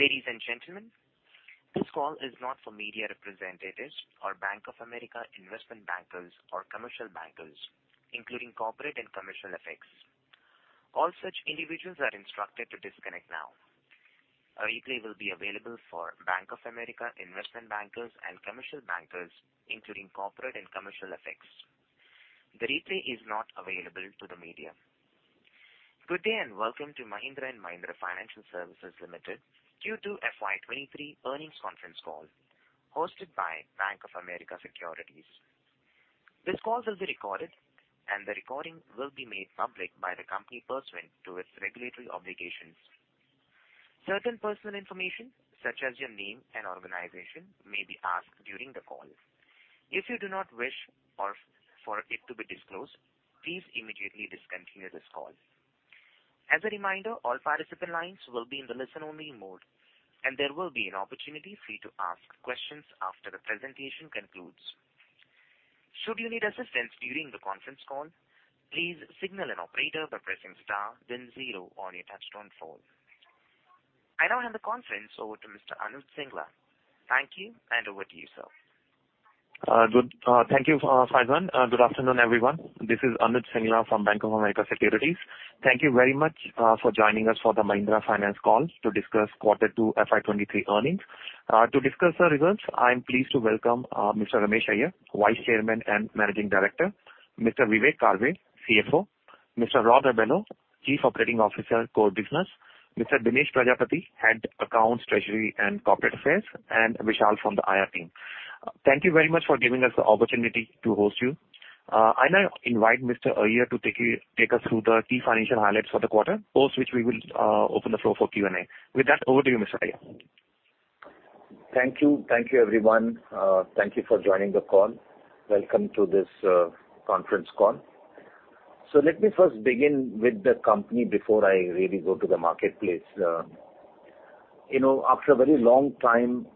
Ladies and gentlemen, this call is not for media representatives or Bank of America investment bankers or commercial bankers, including corporate and commercial execs. All such individuals are instructed to disconnect now. A replay will be available for Bank of America investment bankers and commercial bankers, including corporate and commercial execs. The replay is not available to the media. Good day and welcome to Mahindra & Mahindra Financial Services Limited Q2 FY23 earnings conference call hosted by Bank of America Securities. This call will be recorded, and the recording will be made public by the company pursuant to its regulatory obligations. Certain personal information such as your name and organization may be asked during the call. If you do not wish or for it to be disclosed, please immediately discontinue this call. As a reminder, all participant lines will be in the listen-only mode, and there will be an opportunity for you to ask questions after the presentation concludes. Should you need assistance during the conference call, please signal an operator by pressing star then zero on your touch-tone phone. I now hand the conference over to Mr. Anuj Singla. Thank you, and over to you, sir. Good. Thank you, Faizan. Good afternoon, everyone. This is Anuj Singla from Bank of America Securities. Thank you very much for joining us for the Mahindra Finance call to discuss Quarter 2 FY23 earnings. To discuss the results, I'm pleased to welcome Mr. Ramesh Iyer, Vice Chairman and Managing Director, Mr. Vivek Karve, CFO, Mr. Raul Rebello, Chief Operating Officer, Core Business, Mr. Dinesh Prajapati, Head Accounts, Treasury and Corporate Affairs, and Vishal from the IR team. Thank you very much for giving us the opportunity to host you. I now invite Mr. Iyer to take us through the key financial highlights for the quarter, post which we will open the floor for Q&A. With that, over to you, Mr. Iyer. Thank you. Thank you, everyone. Thank you for joining the call. Welcome to this conference call. Let me first begin with the company before I really go to the marketplace. You know, after a very long time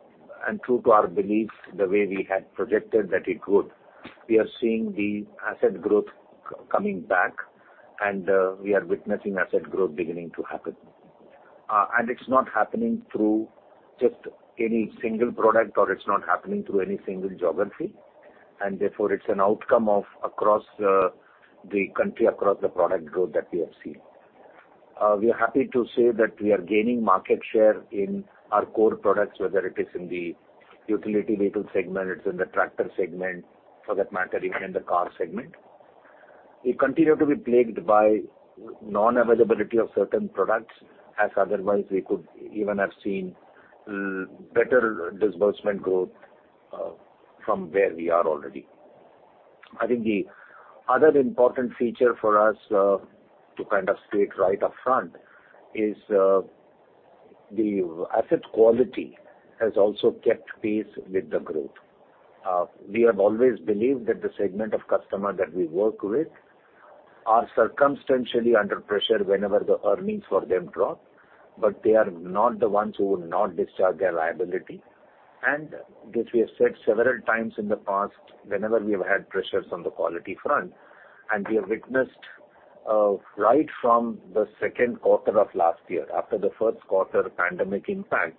and true to our beliefs, the way we had projected that it would, we are seeing the asset growth coming back, and we are witnessing asset growth beginning to happen. It's not happening through just any single product, or it's not happening through any single geography, and therefore it's an outcome of across the country, across the product growth that we have seen. We are happy to say that we are gaining market share in our core products, whether it is in the Utility Vehicle segment, it's in the Tractor segment, for that matter, even in the Car segment. We continue to be plagued by non-availability of certain products, as otherwise we could even have seen better disbursement growth from where we are already. I think the other important feature for us to kind of state right up front is the asset quality has also kept pace with the growth. We have always believed that the segment of customer that we work with are circumstantially under pressure whenever the earnings for them drop, but they are not the ones who would not discharge their liability. This we have said several times in the past, whenever we have had pressures on the quality front, and we have witnessed right from the second quarter of last year, after the first quarter pandemic impact,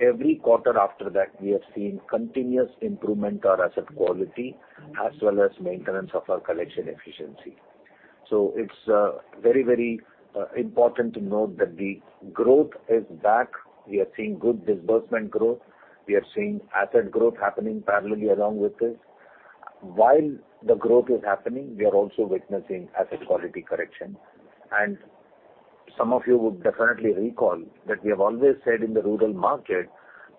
every quarter after that, we have seen continuous improvement to our asset quality as well as maintenance of our collection efficiency. It's very important to note that the growth is back. We are seeing good disbursement growth. We are seeing asset growth happening parallelly along with this. While the growth is happening, we are also witnessing asset quality correction. Some of you would definitely recall that we have always said in the rural market,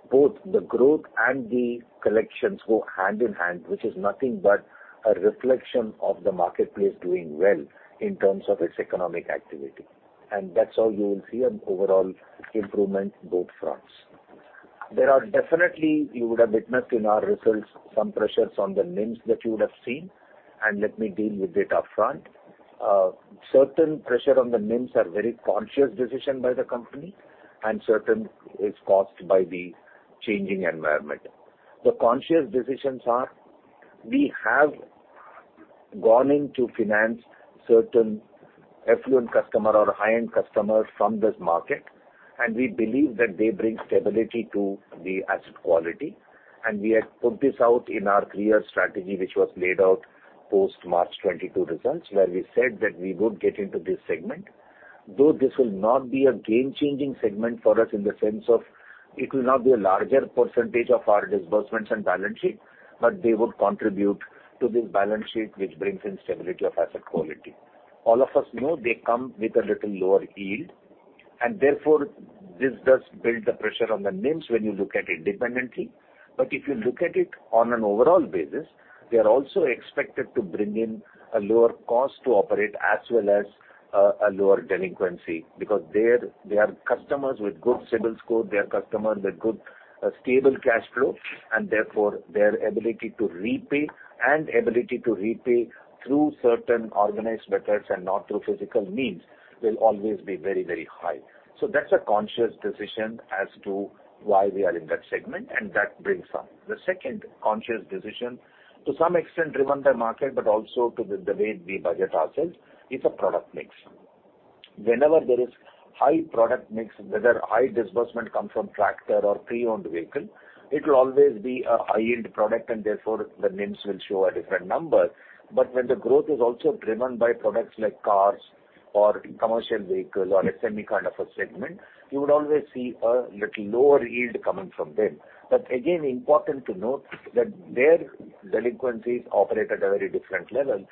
both the growth and the collections go hand in hand, which is nothing but a reflection of the marketplace doing well in terms of its economic activity. That's how you will see an overall improvement both fronts. There are definitely, you would have witnessed in our results, some pressures on the NIMs that you would have seen, and let me deal with it upfront. Certain pressure on the NIMs are very conscious decision by the company and certain is caused by the changing environment. The conscious decisions are we have gone in to finance certain affluent customer or high-end customer from this market, and we believe that they bring stability to the asset quality. We have put this out in our three-year strategy, which was laid out post-March 2022 results, where we said that we would get into this segment. Though this will not be a game-changing segment for us in the sense of it will not be a larger percentage of our disbursements and balance sheet, but they would contribute to this balance sheet, which brings in stability of asset quality. All of us know they come with a little lower yield and therefore this does build the pressure on the NIMs when you look at it independently. If you look at it on an overall basis, they are also expected to bring in a lower cost to operate as well as a lower delinquency because they are customers with good CIBIL score, they are customers with good stable cash flow, and therefore their ability to repay through certain organized methods and not through physical means will always be very, very high. That's a conscious decision as to why we are in that segment, and that brings up the second conscious decision to some extent driven by market but also to the way we budget ourselves is a product mix. Whenever there is high product mix, whether high disbursement comes from Tractor or Pre-owned vehicle, it will always be a high-yield product, and therefore, the NIMs will show a different number. When the growth is also driven by products like Cars or Commercial Vehicle or a semi kind of a segment, you would always see a little lower yield coming from them. Again, important to note that their delinquencies operate at a very different level.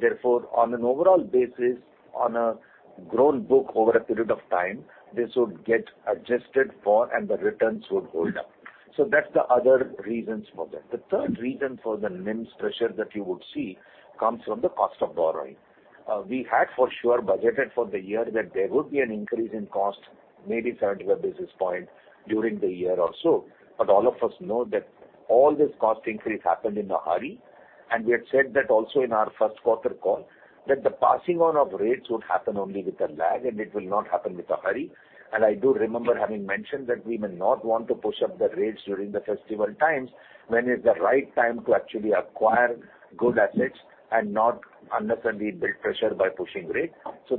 Therefore, on an overall basis, on a grown book over a period of time, this would get adjusted for and the returns would hold up. That's the other reasons for that. The third reason for the NIMs pressure that you would see comes from the cost of borrowing. We had for sure budgeted for the year that there would be an increase in cost, maybe 35 basis points during the year or so. All of us know that all this cost increase happened in a hurry, and we had said that also in our first quarter call, that the passing on of rates would happen only with a lag, and it will not happen with a hurry. I do remember having mentioned that we may not want to push up the rates during the festival times when it's the right time to actually acquire good assets and not unnecessarily build pressure by pushing rates.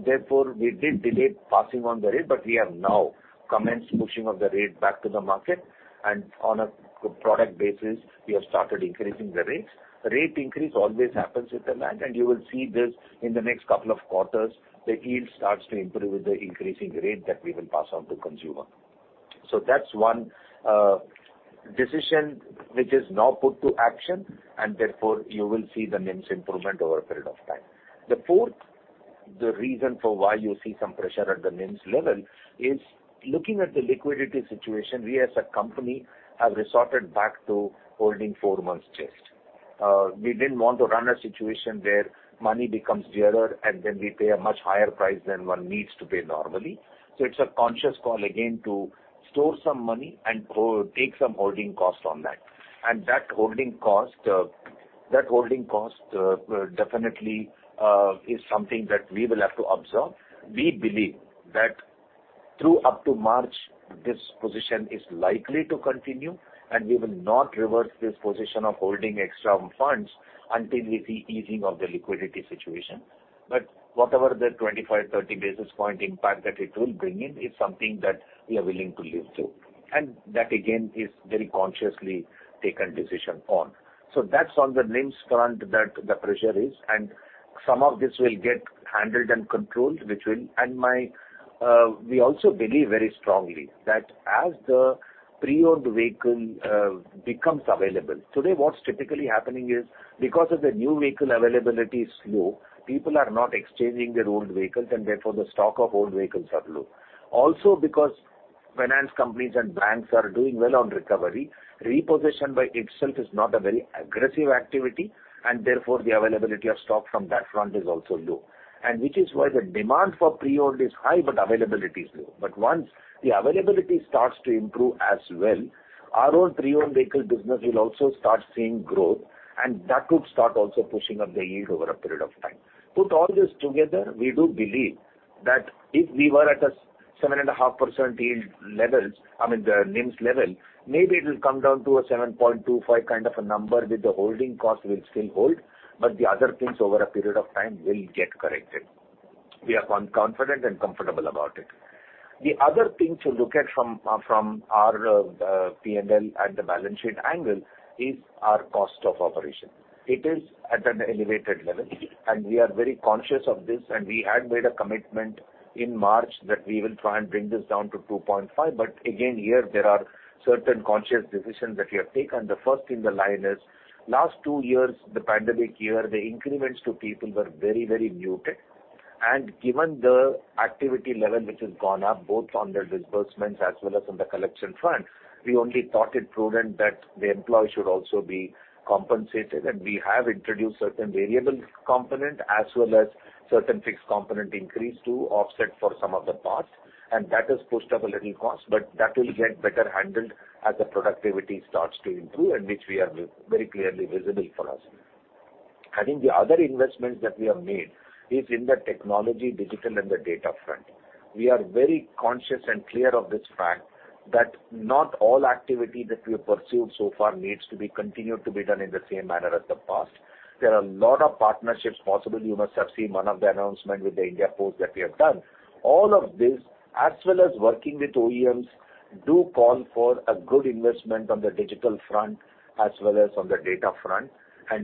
Therefore, we did delay passing on the rate, but we have now commenced pushing of the rate back to the market, and on a product basis, we have started increasing the rates. Rate increase always happens with a lag, and you will see this in the next couple of quarters. The yield starts to improve with the increasing rate that we will pass on to consumer. That's one decision which is now put to action, and therefore, you will see the NIMs improvement over a period of time. The fourth reason for why you see some pressure at the NIMs level is looking at the liquidity situation, we as a company have resorted back to holding four months cash. We didn't want to run a situation where money becomes dearer, and then we pay a much higher price than one needs to pay normally. It's a conscious call again to store some money and take some holding cost on that. That holding cost definitely is something that we will have to absorb. We believe that through up to March, this position is likely to continue, and we will not reverse this position of holding extra funds until we see easing of the liquidity situation. Whatever the 25-30 basis point impact that it will bring in is something that we are willing to live through. That again is very consciously taken decision on. That's on the NIMs front that the pressure is, and some of this will get handled and controlled. We also believe very strongly that as the Pre-owned vehicle becomes available. Today, what's typically happening is because of the new vehicle availability is low, people are not exchanging their old vehicles, and therefore, the stock of old vehicles are low. Also because finance companies and banks are doing well on recovery, repossession by itself is not a very aggressive activity, and therefore, the availability of stock from that front is also low. Which is why the demand for pre-owned is high, but availability is low. Once the availability starts to improve as well, our own Pre-owned vehicle business will also start seeing growth, and that would start also pushing up the yield over a period of time. Put all this together, we do believe that if we were at a 7.5% yield levels, I mean, the NIMs level, maybe it will come down to a 7.25 kind of a number with the holding cost will still hold, but the other things over a period of time will get corrected. We are confident and comfortable about it. The other thing to look at from our P&L and the balance sheet angle is our cost of operation. It is at an elevated level, and we are very conscious of this, and we had made a commitment in March that we will try and bring this down to 2.5%. Again, here there are certain conscious decisions that we have taken. The first in the line is last two years, the pandemic year, the increments to people were very muted. Given the activity level which has gone up both on the disbursements as well as on the collection front, we only thought it prudent that the employee should also be compensated, and we have introduced certain variable component as well as certain fixed component increase to offset for some of the parts, and that has pushed up a little cost, but that will get better handled as the productivity starts to improve and which we are very clearly visible for us. I think the other investments that we have made is in the technology, digital and the data front. We are very conscious and clear of this fact that not all activity that we have pursued so far needs to be continued to be done in the same manner as the past. There are a lot of partnerships possible. You must have seen one of the announcement with the India Post that we have done. All of this, as well as working with OEMs, do call for a good investment on the digital front as well as on the data front.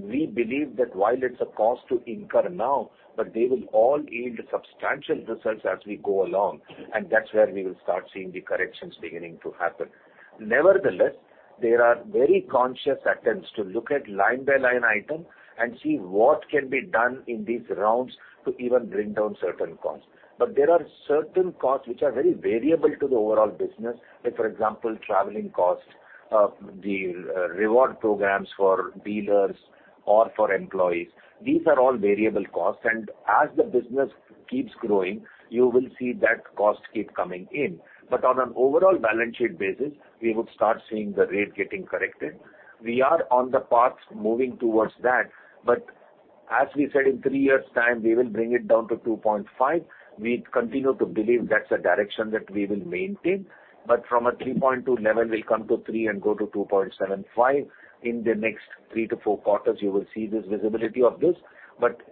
We believe that while it's a cost to incur now, but they will all yield substantial results as we go along, and that's where we will start seeing the corrections beginning to happen. Nevertheless, there are very conscious attempts to look at line by line item and see what can be done in these rounds to even bring down certain costs. There are certain costs which are very variable to the overall business. Say, for example, traveling costs, the reward programs for dealers or for employees. These are all variable costs, and as the business keeps growing, you will see that cost keep coming in. On an overall balance sheet basis, we would start seeing the rate getting corrected. We are on the path moving towards that. As we said, in 3 years' time, we will bring it down to 2.5. We continue to believe that's the direction that we will maintain. From a 3.2 level, we'll come to 3 and go to 2.75. In the next 3 to 4 quarters, you will see this visibility of this.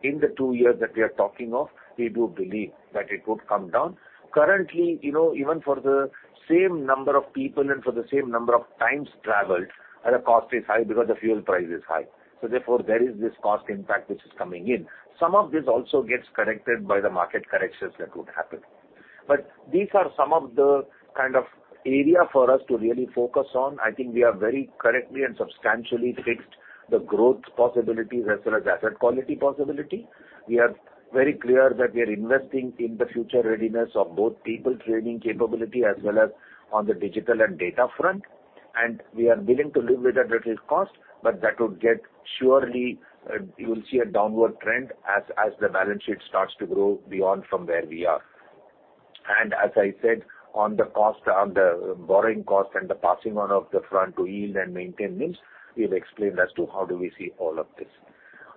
In the 2 years that we are talking of, we do believe that it would come down. Currently, you know, even for the same number of people and for the same number of times traveled, the cost is high because the fuel price is high, so therefore, there is this cost impact which is coming in. Some of this also gets corrected by the market corrections that would happen. These are some of the kind of area for us to really focus on. I think we have very correctly and substantially fixed the growth possibilities as well as asset quality possibility. We are very clear that we are investing in the future readiness of both people training capability as well as on the digital and data front, and we are willing to live with that little cost, but that would get surely, you will see a downward trend as the balance sheet starts to grow beyond from where we are. As I said, on the cost, on the borrowing cost and the passing on of the front-end yield and maintain mix, we have explained as to how do we see all of this.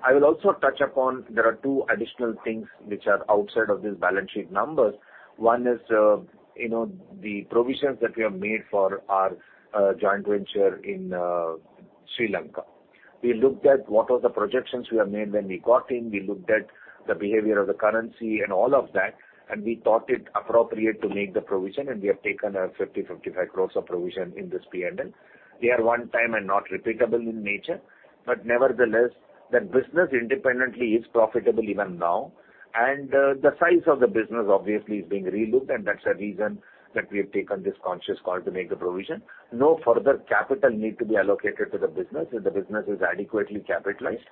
I will also touch upon there are two additional things which are outside of these balance sheet numbers. One is, you know, the provisions that we have made for our joint venture in Sri Lanka. We looked at what was the projections we have made when we got in, we looked at the behavior of the currency and all of that, and we thought it appropriate to make the provision, and we have taken 55 crore of provision in this P&L. They are one-time and not repeatable in nature. Nevertheless, that business independently is profitable even now, and the size of the business obviously is being re-looked, and that's the reason that we have taken this conscious call to make the provision. No further capital need to be allocated to the business, so the business is adequately capitalized,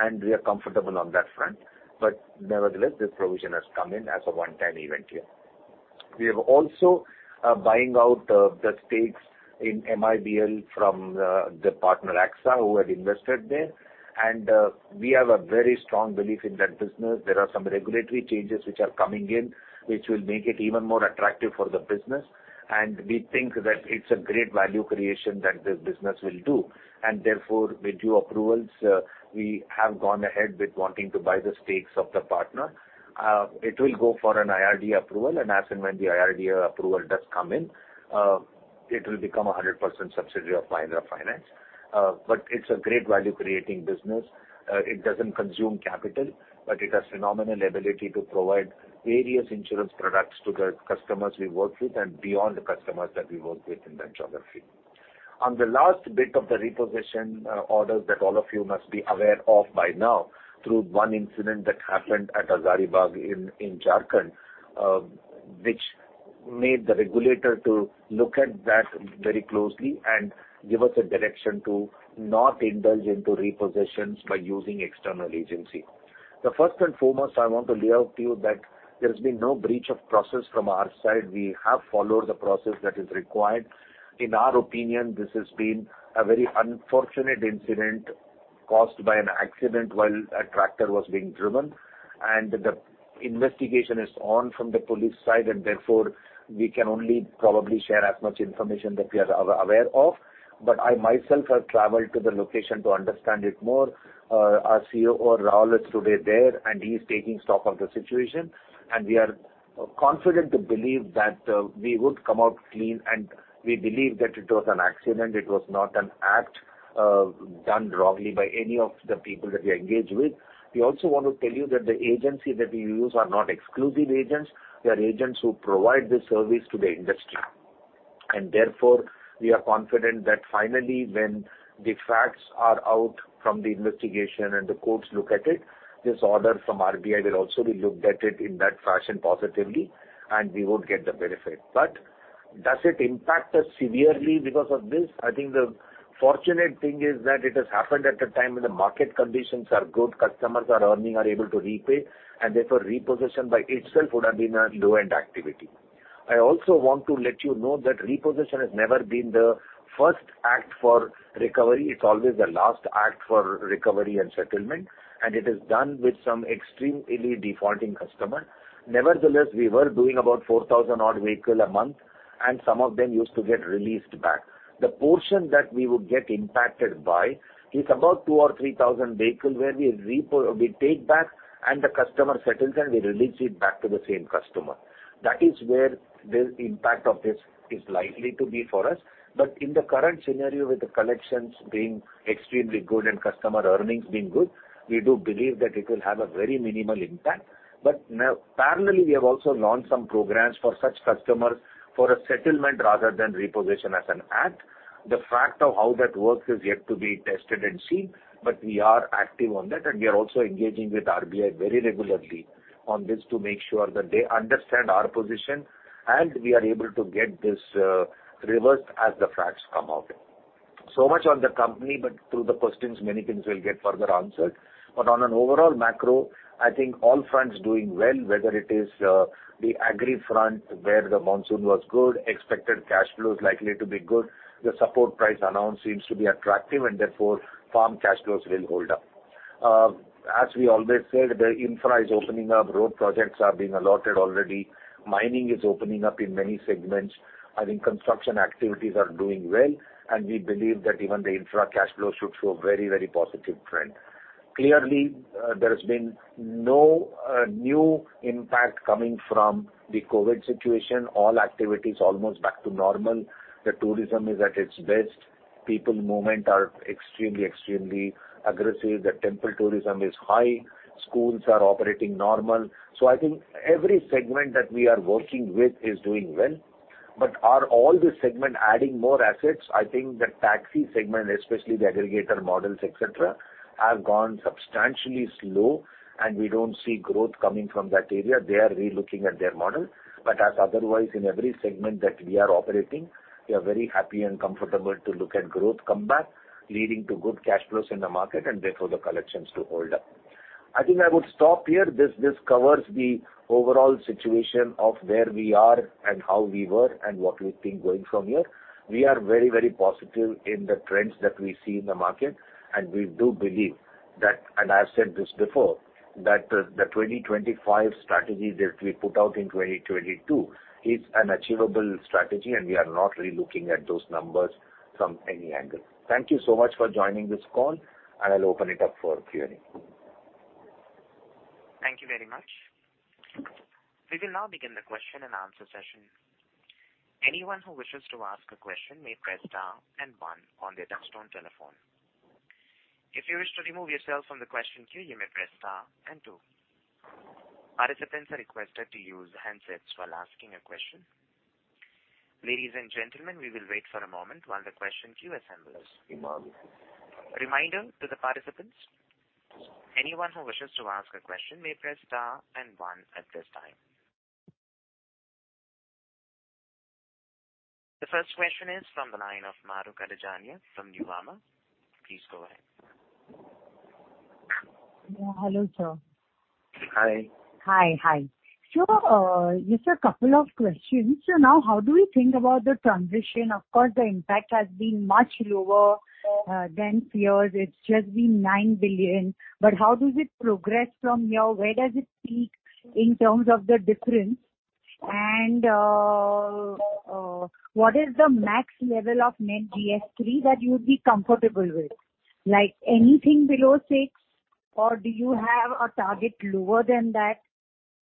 and we are comfortable on that front. Nevertheless, this provision has come in as a one-time event here. We are also buying out the stakes in MIBL from the partner AXA who had invested there. We have a very strong belief in that business. There are some regulatory changes which are coming in, which will make it even more attractive for the business. We think that it's a great value-creation that this business will do. Therefore, with due approvals, we have gone ahead with wanting to buy the stakes of the partner. It will go for an IRDA approval, and as and when the IRDA approval does come in, it will become a 100% subsidiary of Mahindra Finance. It's a great value-creating business. It doesn't consume capital, but it has phenomenal ability to provide various insurance products to the customers we work with and beyond the customers that we work with in that geography. On the last bit of the repossession orders that all of you must be aware of by now through one incident that happened at Hazaribagh in Jharkhand, which made the regulator to look at that very closely and give us a direction to not indulge into repossessions by using external agency. The first and foremost, I want to lay out to you that there has been no breach of process from our side. We have followed the process that is required. In our opinion, this has been a very unfortunate incident caused by an accident while a Tractor was being driven, and the investigation is on from the police side, and therefore, we can only probably share as much information that we are aware of. I myself have traveled to the location to understand it more. Our CEO, Raul Rebello, is today there, and he is taking stock of the situation, and we are confident to believe that we would come out clean, and we believe that it was an accident. It was not an act done wrongly by any of the people that we engage with. We also want to tell you that the agency that we use are not exclusive agents. They are agents who provide this service to the industry. Therefore, we are confident that finally, when the facts are out from the investigation and the courts look at it, this order from RBI will also be looked at it in that fashion positively, and we would get the benefit. Does it impact us severely because of this? I think the fortunate thing is that it has happened at a time when the market conditions are good, customers are earning, are able to repay, and therefore repossession by itself would have been a low-end activity. I also want to let you know that repossession has never been the first act for recovery. It's always the last act for recovery and settlement, and it is done with some extremely defaulting customer. Nevertheless, we were doing about 4,000 odd vehicles a month, and some of them used to get released back. The portion that we would get impacted by is about 2,000 or 3,000 vehicles where we take back and the customer settles and we release it back to the same customer. That is where the impact of this is likely to be for us. In the current scenario with the collections being extremely good and customer earnings being good, we do believe that it will have a very minimal impact. Now, parallelly, we have also launched some programs for such customers for a settlement rather than repossession as an act. The fact of how that works is yet to be tested and seen, but we are active on that, and we are also engaging with RBI very regularly on this to make sure that they understand our position and we are able to get this, reversed as the facts come out. Much on the company, but through the questions, many things will get further answered. On an overall macro, I think all fronts doing well, whether it is the agri front where the monsoon was good, expected cash flow is likely to be good. The support price announced seems to be attractive and therefore farm cash flows will hold up. As we always said, the infra is opening up. Road projects are being allotted already. Mining is opening up in many segments. I think construction activities are doing well, and we believe that even the infra cash flow should show a very, very positive trend. Clearly, there has been no new impact coming from the COVID situation. All activity is almost back to normal. The tourism is at its best. People movement are extremely aggressive. The temple tourism is high. Schools are operating normal. I think every segment that we are working with is doing well. Are all these segment adding more assets? I think the taxi segment, especially the aggregator models, et cetera, have gone substantially slow, and we don't see growth coming from that area. They are re-looking at their model. As otherwise in every segment that we are operating, we are very happy and comfortable to look at growth come back, leading to good cash flows in the market and therefore the collections to hold up. I think I would stop here. This covers the overall situation of where we are and how we were and what we think going from here. We are very, very positive in the trends that we see in the market, and we do believe that, and I've said this before, that the 2025 strategy that we put out in 2022 is an achievable strategy, and we are not re-looking at those numbers from any angle. Thank you so much for joining this call, and I'll open it up for Q&A. Thank you very much. We will now begin the question-and-answer session. Anyone who wishes to ask a question may press star and one on their touch-tone telephone. If you wish to remove yourself from the question queue, you may press star and two. Participants are requested to use handsets while asking a question. Ladies and gentlemen, we will wait for a moment while the question queue assembles. Reminder to the participants, anyone who wishes to ask a question may press star and one at this time. The first question is from the line of Mahrukh Adajania from Nuvama. Please go ahead. Yeah, hello sir. Hi. Hi. Just a couple of questions. Now, how do we think about the transition? Of course, the impact has been much lower than fears. It's just been 9 billion. How does it progress from here? Where does it peak in terms of the difference? What is the max level of Net GS3 that you'd be comfortable with? Like, anything below 6%, or do you have a target lower than that?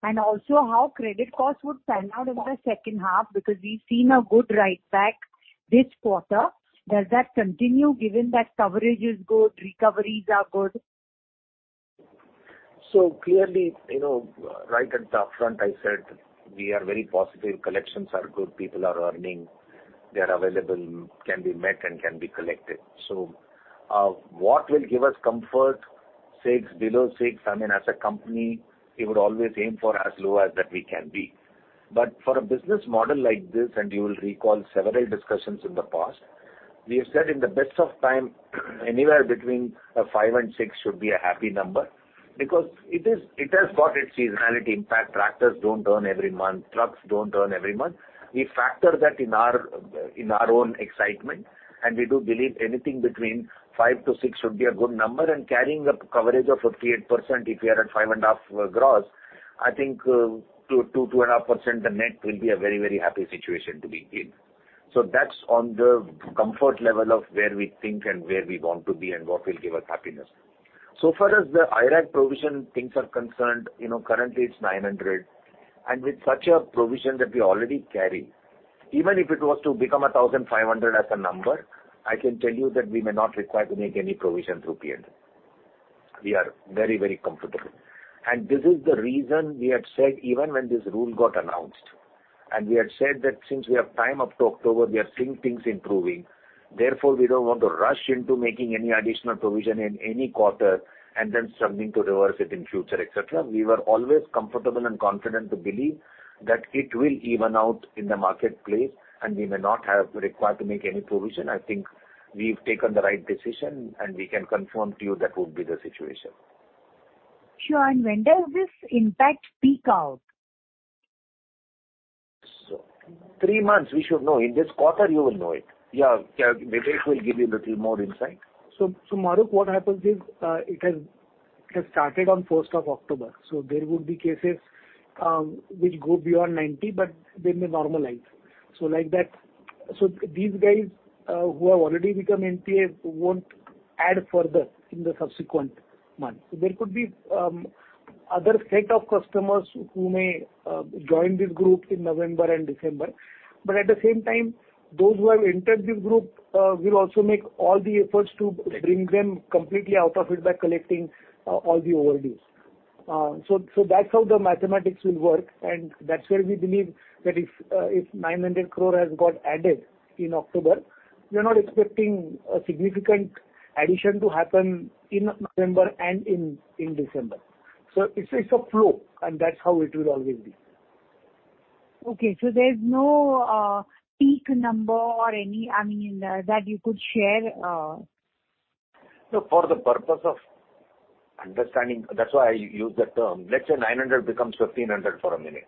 How Credit Costs would pan out in the second half because we've seen a good write-back this quarter. Does that continue given that coverage is good, recoveries are good? Clearly, you know, right at the upfront, I said we are very positive, collections are good, people are earning. They're available, can be met and can be collected. What will give us comfort, 6, below 6, I mean, as a company, we would always aim for as low as that we can be. But for a business model like this, and you will recall several discussions in the past, we have said in the best of times, anywhere between 5% and 6% should be a happy number because it has got its seasonality impact. Tractors don't earn every month. Trucks don't earn every month. We factor that in our own excitement, and we do believe anything between 5%-6% should be a good number. Carrying a coverage of 58% if we are at 5.5 Gross, I think, 2.5% the Net will be a very, very happy situation to be in. That's on the comfort level of where we think and where we want to be and what will give us happiness. As far as the IRAC provision things are concerned, you know, currently it's 900. With such a provision that we already Carry, even if it was to become 1,500 as a number, I can tell you that we may not require to make any provision through P&L. We are very, very comfortable. This is the reason we had said even when this rule got announced, and we had said that since we have time up to October, we are seeing things improving. Therefore, we don't want to rush into making any additional provision in any quarter and then submitting to reverse it in future, et cetera. We were always comfortable and confident to believe that it will even out in the marketplace, and we may not have to require to make any provision. I think we've taken the right decision, and we can confirm to you that would be the situation. Sure. When does this impact peak out? Three months, we should know. In this quarter, you will know it. Yeah. Vive will give you a little more insight. Mahrukh, what happens is, it has started on first of October. There would be cases which go beyond 90, but they may normalize. Like that. These guys who have already become NPA won't add further in the subsequent month. There could be other set of customers who may join this group in November and December. But at the same time, those who have entered this group will also make all the efforts to bring them completely out of it by collecting all the overdues. That's how the mathematics will work, and that's where we believe that if 900 crore has got added in October, we are not expecting a significant addition to happen in November and in December. It's a flow, and that's how it will always be. Okay. There's no peak number or any, I mean, that you could share. For the purpose of understanding, that's why I use the term, let's say 900 becomes 1500 for a minute.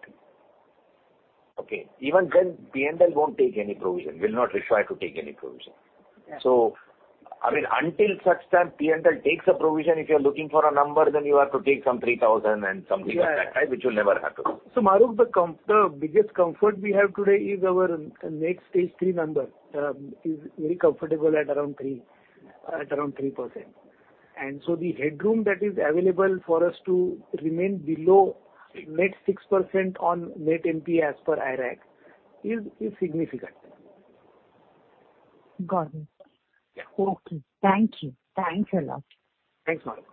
Okay. Even then, P&L won't take any provision. We'll not require to take any provision. Yeah. I mean, until such time P&L takes a provision, if you're looking for a number, then you have to take some 3,000 and something of that type. Yeah. which will never happen. Mahrukh, the biggest comfort we have today is our net Stage3 number is very comfortable at around 3%. At around 3%. The headroom that is available for us to remain below net 6% on Net NPA as per IRAC is significant. Got it. Okay. Thank you. Thanks a lot. Thanks, Mahrukh.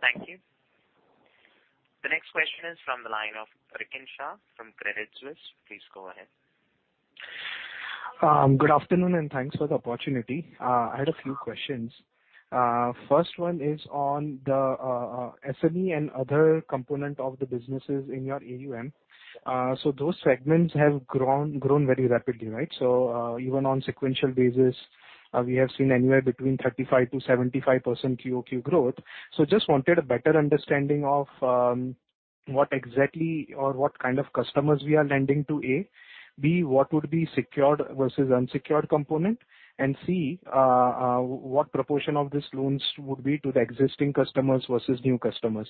Thank you. The next question is from the line of Rikin Shah from Credit Suisse. Please go ahead. Good afternoon, and thanks for the opportunity. I had a few questions. First one is on the SME and other component of the businesses in your AUM. Those segments have grown very rapidly, right? Even on sequential basis, we have seen anywhere between 35%-75% OQ growth. Just wanted a better understanding of what exactly or what kind of customers we are lending to, A. B, what would be secured versus unsecured component. C, what proportion of these loans would be to the existing customers versus new customers?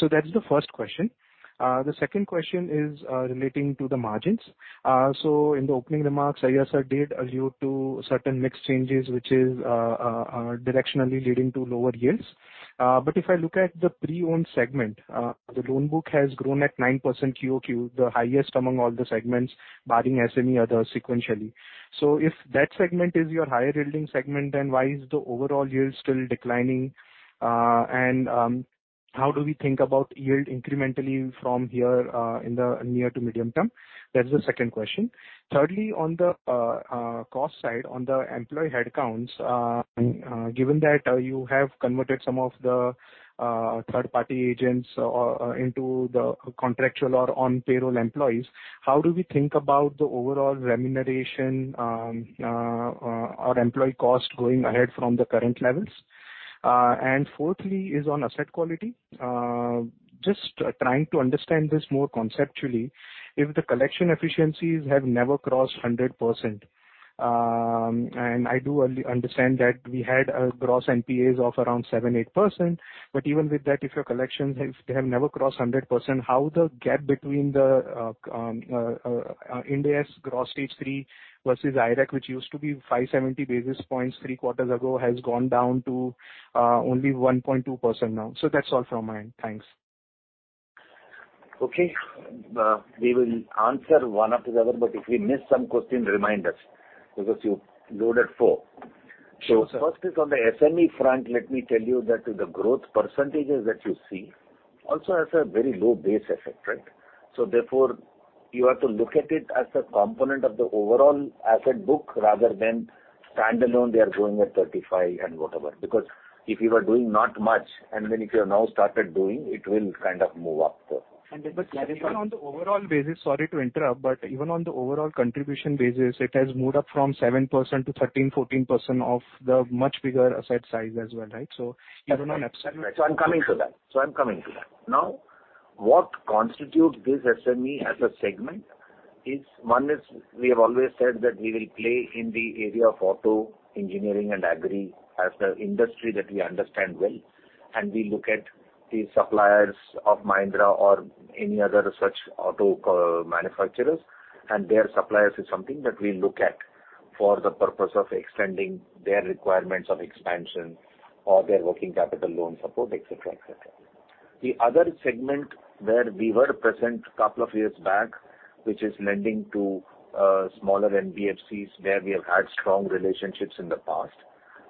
That is the first question. The second question is relating to the margins. In the opening remarks, Ramesh Iyer sir did allude to certain mix changes, which is directionally leading to lower yields. If I look at the pre-owned segment, the loan book has grown at 9% QQ, the highest among all the segments barring SME sequentially. If that segment is your higher yielding segment, then why is the overall yield still declining? How do we think about yield incrementally from here in the near to medium term? That is the second question. Thirdly, on the cost side, on the employee headcounts, given that you have converted some of the third-party agents into the contractual or on payroll employees, how do we think about the overall remuneration or employee cost going ahead from the current levels? Fourthly is on asset quality. Just trying to understand this more conceptually, if the collection efficiencies have never crossed 100%, and I do understand that we Gross NPAs of around 7-8%, but even with that if your collections have, they have never crossed 100%, how the gap between the Indicative Gross Stage3 versus IRAC, which used to be 570 basis points three quarters ago, has gone down to only 1.2% now. That's all from my end. Thanks. Okay. We will answer one after the other, but if we miss some question remind us because you loaded four. Sure, sir. First is on the SME front, let me tell you that the growth percentages that you see also has a very low base effect, right? Therefore, you have to look at it as a component of the overall asset book rather than standalone, they are growing at 35% and whatever. Because if you are doing not much and then if you have now started doing, it will kind of move up the even on the overall basis, sorry to interrupt, but even on the overall contribution basis, it has moved up from 7% to 13%-14% of the much bigger asset size as well, right? Even on absolute- I'm coming to that. Now, what constitutes this SME as a segment is, one is we have always said that we will play in the area of auto engineering and agri as the industry that we understand well, and we look at the suppliers of Mahindra or any other such auto co-manufacturers and their suppliers is something that we look at for the purpose of extending their requirements of expansion or their working capital loan support, et cetera. The other segment where we were present couple of years back, which is lending to smaller NBFCs, where we have had strong relationships in the past,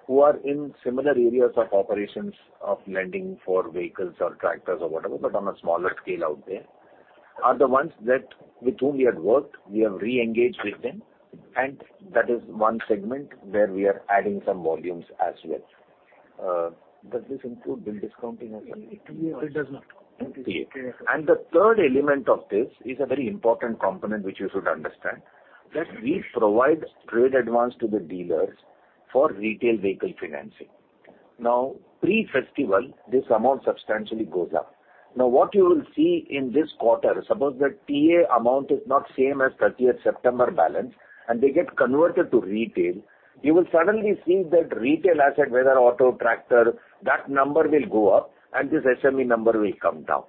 who are in similar areas of operations of lending for vehicles or Tractors or whatever, but on a smaller scale out there, are the ones that with whom we had worked, we have re-engaged with them, and that is one segment where we are adding some volumes as well. Does this include bill discounting as well? It does not. Okay. The third element of this is a very important component, which you should understand, that we provide trade advance to the dealers for retail vehicle financing. Now, pre-festival, this amount substantially goes up. Now, what you will see in this quarter, suppose the TA amount is not same as thirtieth September balance and they get converted to retail, you will suddenly see that retail asset, whether auto, Tractor, that number will go up and this SME number will come down.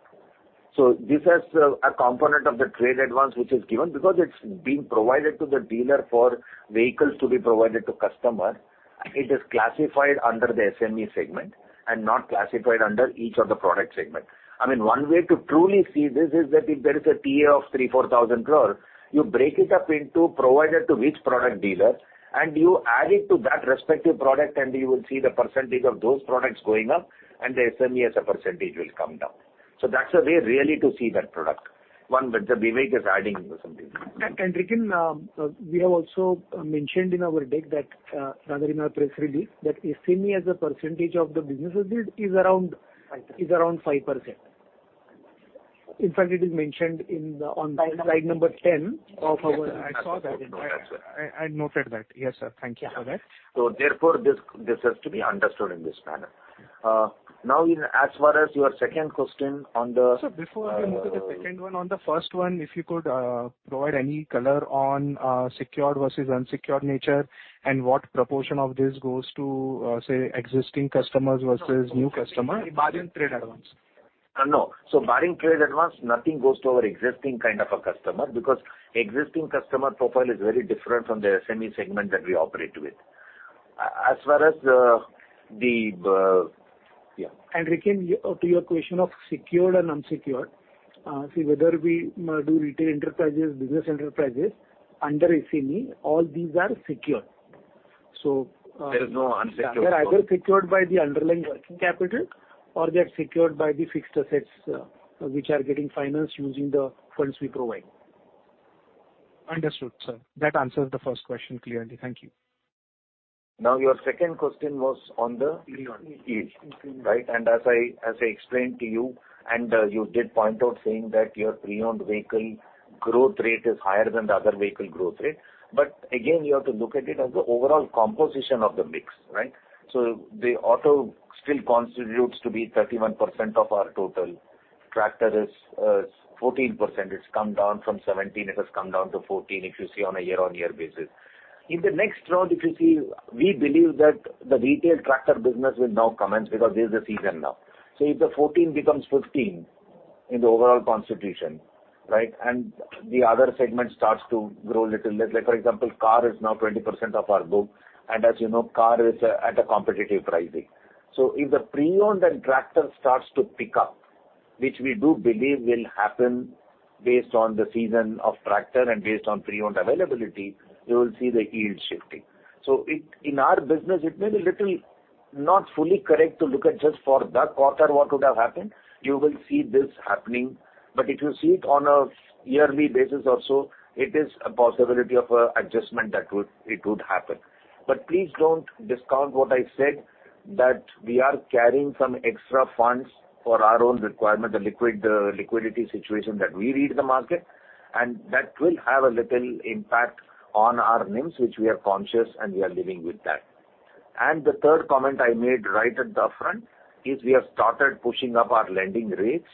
So this has a component of the trade advance which is given because it's being provided to the dealer for vehicles to be provided to customer. It is classified under the SME segment and not classified under each of the product segment. I mean, one way to truly see this is that if there is a TA of 3,000-4,000 crores, you break it up into provided to which product dealer and you add it to that respective product and you will see the percentage of those products going up and the SME as a percentage will come down. That's a way really to see that product, one which Vivek is adding into something. Rikin, we have also mentioned in our deck that, rather in our press release, that SME as a percentage of the businesses is around- 5%. Is around 5%. In fact, it is mentioned on slide number 10 of our- I saw that. I noted that. Yes, sir. Thank you for that. Therefore, this has to be understood in this manner. Now insofar as your second question on the Sir, before we move to the second one, on the first one, if you could provide any color on secured versus unsecured nature and what proportion of this goes to say existing customers versus new customer. Barring trade advance. No. Barring trade advance, nothing goes to our existing kind of a customer because existing customer profile is very different from the SME segment that we operate with. Rikin, to your question of secured and unsecured, see whether we do retail enterprises, business enterprises under SME, all these are secured. There is no unsecured. They're either secured by the underlying working capital or they are secured by the fixed assets, which are getting financed using the funds we provide. Understood, sir. That answers the first question clearly. Thank you. Now, your second question was on the yield, right? As I explained to you, and you did point out saying that your Pre-owned vehicle growth rate is higher than the other vehicle growth rate. Again, you have to look at it as the overall composition of the mix, right? The Auto still constitutes to be 31% of our total. Tractor is fourteen percent. It's come down from 17, it has come down to 14 if you see on a year-on-year basis. In the next round, if you see, we believe that the retail Tractor business will now commence because this is the season now. If the 14 becomes 15 in the overall constitution, right, and the other segment starts to grow a little bit. Like, for example, Car is now 20% of our book, and as you know, Car is at a competitive pricing. If the pre-owned and Tractor starts to pick up, which we do believe will happen based on the season of Tractor and based on pre-owned availability, you will see the yield shifting. In our business, it may be little not fully correct to look at just for that quarter what would have happened. You will see this happening. If you see it on a yearly basis also, it is a possibility of a adjustment that it would happen. Please don't discount what I said, that we are Carrying some extra funds for our own requirement, the liquid, the liquidity situation that we read the market, and that will have a little impact on our NIMs, which we are conscious and we are living with that. The third comment I made right at the front is we have started pushing up our lending rates,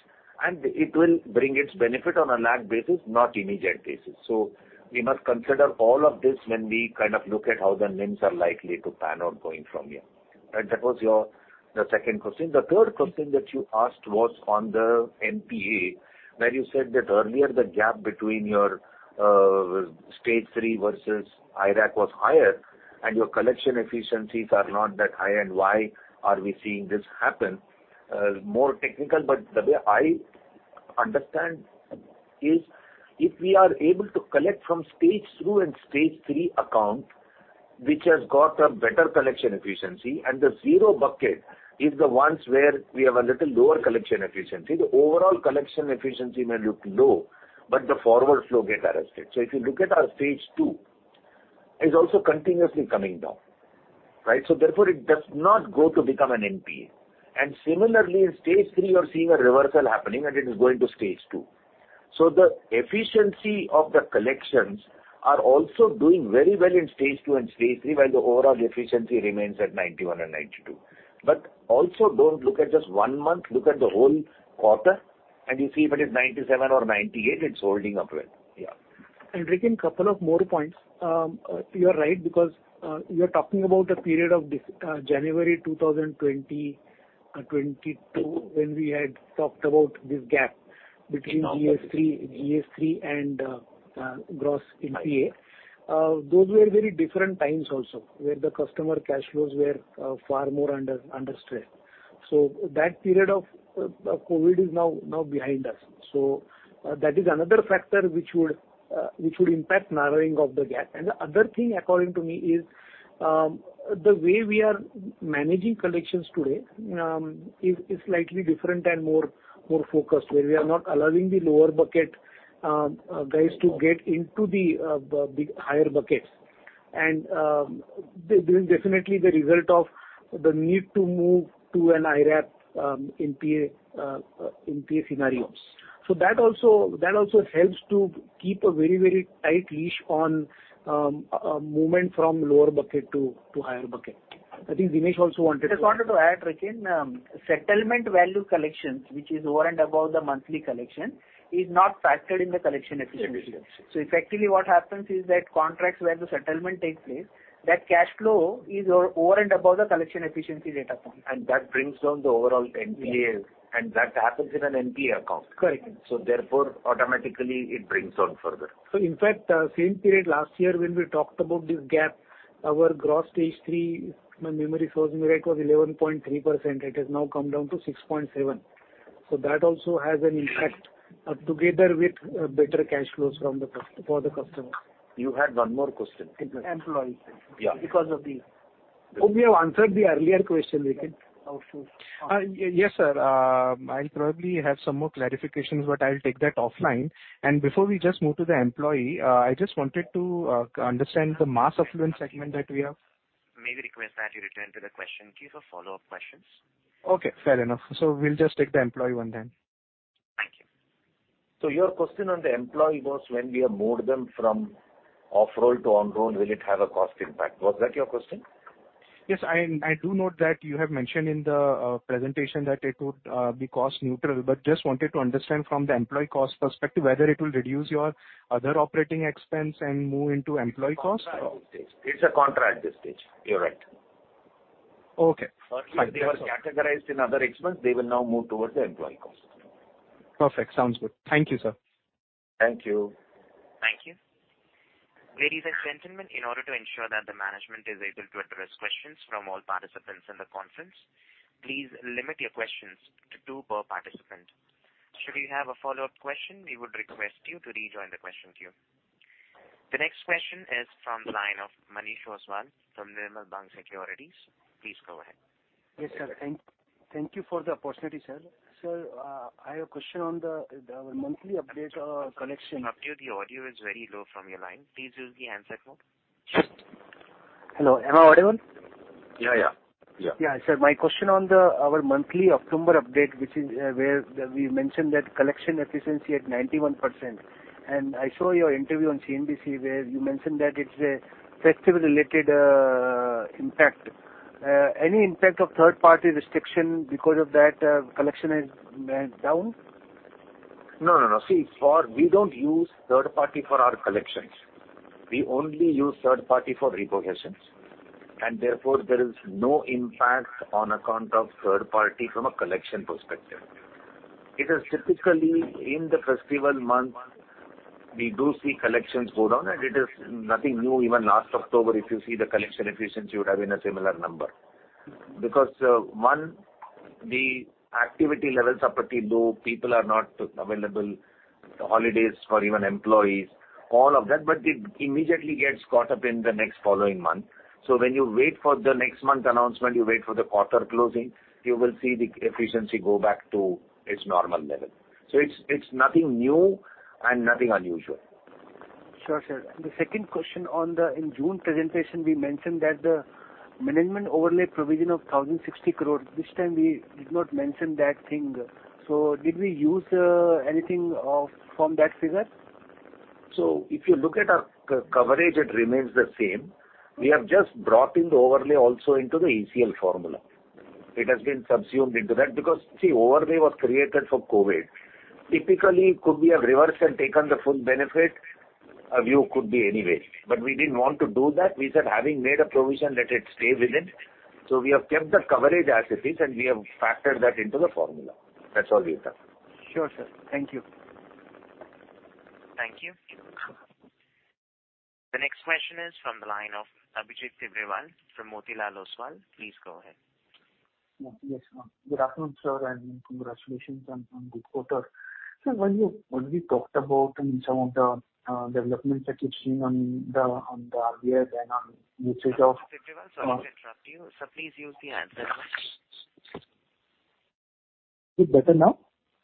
and it will bring its benefit on a lag basis, not immediate basis. We must consider all of this when we kind of look at how the NIMs are likely to pan out going from here, right? That was your, the second question. The third question that you asked was on the NPA, where you said that earlier the gap between your Stage3 versus IRAC was higher and your collection efficiencies are not that high and why are we seeing this happen? More technical, but the way I understand is if we are able to collect from Stage 2 and Stage3 account, which has got a better collection efficiency, and the Zero Bucket is the ones where we have a little lower collection efficiency, the overall collection efficiency may look low, but the forward flow get arrested. If you look at our Stage 2, is also continuously coming down, right? Therefore, it does not go to become an NPA. Similarly, in Stage3, you're seeing a reversal happening and it is going to Stage 2. The efficiency of the collections are also doing very well in Stage 2 and Stage3, while the overall efficiency remains at 91% and 92%. Also don't look at just one month, look at the whole quarter and you see that it's 97% or 98%, it's holding up well. Yeah. Rikin, couple of more points. You are right because you're talking about the period of this January 2020-2022, when we had talked about this gap between GS3 and Gross NPA. Those were very different times also, where the customer cash flows were far more under stress. That period of COVID is now behind us. That is another factor which would impact narrowing of the gap. The other thing, according to me, is the way we are managing collections today is slightly different and more focused, where we are not allowing the lower bucket guys to get into the higher buckets. This is definitely the result of the need to move to an IRAC NPA scenario. That also helps to keep a very, very tight leash on movement from lower bucket to higher bucket. I think Dinesh also wanted to- Just wanted to add, Rikin, settlement value collections, which is over and above the monthly collection, is not factored in the collection efficiency. Collection efficiency. Effectively, what happens is that contracts where the settlement takes place, that cash flow is over and above the collection efficiency data point. that brings down the overall NPA, and that happens in an NPA account. Correct. Therefore, automatically it brings down further. In fact, same period last year when we talked about this gap, our Gross Stage 3, my memory serves me right, was 11.3%. It has now come down to 6.7%. That also has an impact, together with better cash flows for the customer. You had one more question. Employee. Yeah. Hope we have answered the earlier question, Rikin. Yes, sir. I probably have some more clarifications, but I'll take that offline. Before we just move to the employee, I just wanted to understand the mass affluent segment that we have. May we request that you return to the question queue for follow-up questions? Okay, fair enough. We'll just take the employee one then. Thank you. Your question on the employee was when we have moved them from off-roll to on-roll, will it have a cost impact? Was that your question? Yes. I do note that you have mentioned in the presentation that it would be cost neutral, but just wanted to understand from the employee cost perspective whether it will reduce your other operating expense and move into employee costs. It's a contract at this stage. You're right. Okay. Earlier they were categorized in other expense. They will now move toward the employee cost. Perfect. Sounds good. Thank you, sir. Thank you. Thank you. Ladies and gentlemen, in order to ensure that the management is able to address questions from all participants in the conference, please limit your questions to two per participant. Should you have a follow-up question, we would request you to rejoin the question queue. The next question is from the line of Manish Ostwal from Nirmal Bang Securities. Please go ahead. Yes, sir. Thank you for the opportunity, sir. Sir, I have a question on the monthly update, collection- Abhijit, the audio is very low from your line. Please use the handset mode. Hello, am I audible? Yeah, yeah. Yeah. Yeah. Sir, my question on the our monthly October update, which is where we mentioned that collection efficiency at 91%. I saw your interview on CNBC where you mentioned that it's a festival-related impact. Any impact of third party restriction because of that, collection is down? No, no. See, we don't use third party for our collections. We only use third party for repossessions, and therefore there is no impact on account of third party from a collection perspective. It is typically in the festival month we do see collections go down, and it is nothing new. Even last October, if you see the collection efficiency, would have been a similar number. Because one, the activity levels are pretty low. People are not available, the holidays for even employees, all of that, but it immediately gets caught up in the next following month. When you wait for the next month announcement, you wait for the quarter closing, you will see the efficiency go back to its normal level. It's nothing new and nothing unusual. Sure, sir. The second question in the June presentation, we mentioned that the management overlay provision of 1,060 crore. This time we did not mention that thing. Did we use anything from that figure? If you look at our coverage, it remains the same. We have just brought in the overlay also into the ACL formula. It has been subsumed into that because, see, overlay was created for COVID. Typically, could we have reversed and taken the full benefit? You could, anyway. We didn't want to do that. We said, having made a provision, let it stay within. We have kept the coverage as it is, and we have factored that into the formula. That's all we've done. Sure, sir. Thank you. Thank you. The next question is from the line of Abhijit Tibrewal from Motilal Oswal. Please go ahead. Yes. Good afternoon, sir, and congratulations on good quarter. Sir, when you already talked about, I mean, some of the developments that you've seen on the RBI ban on usage of. Tibrewal, sorry to interrupt you. Sir, please use the handset mode. Is it better now?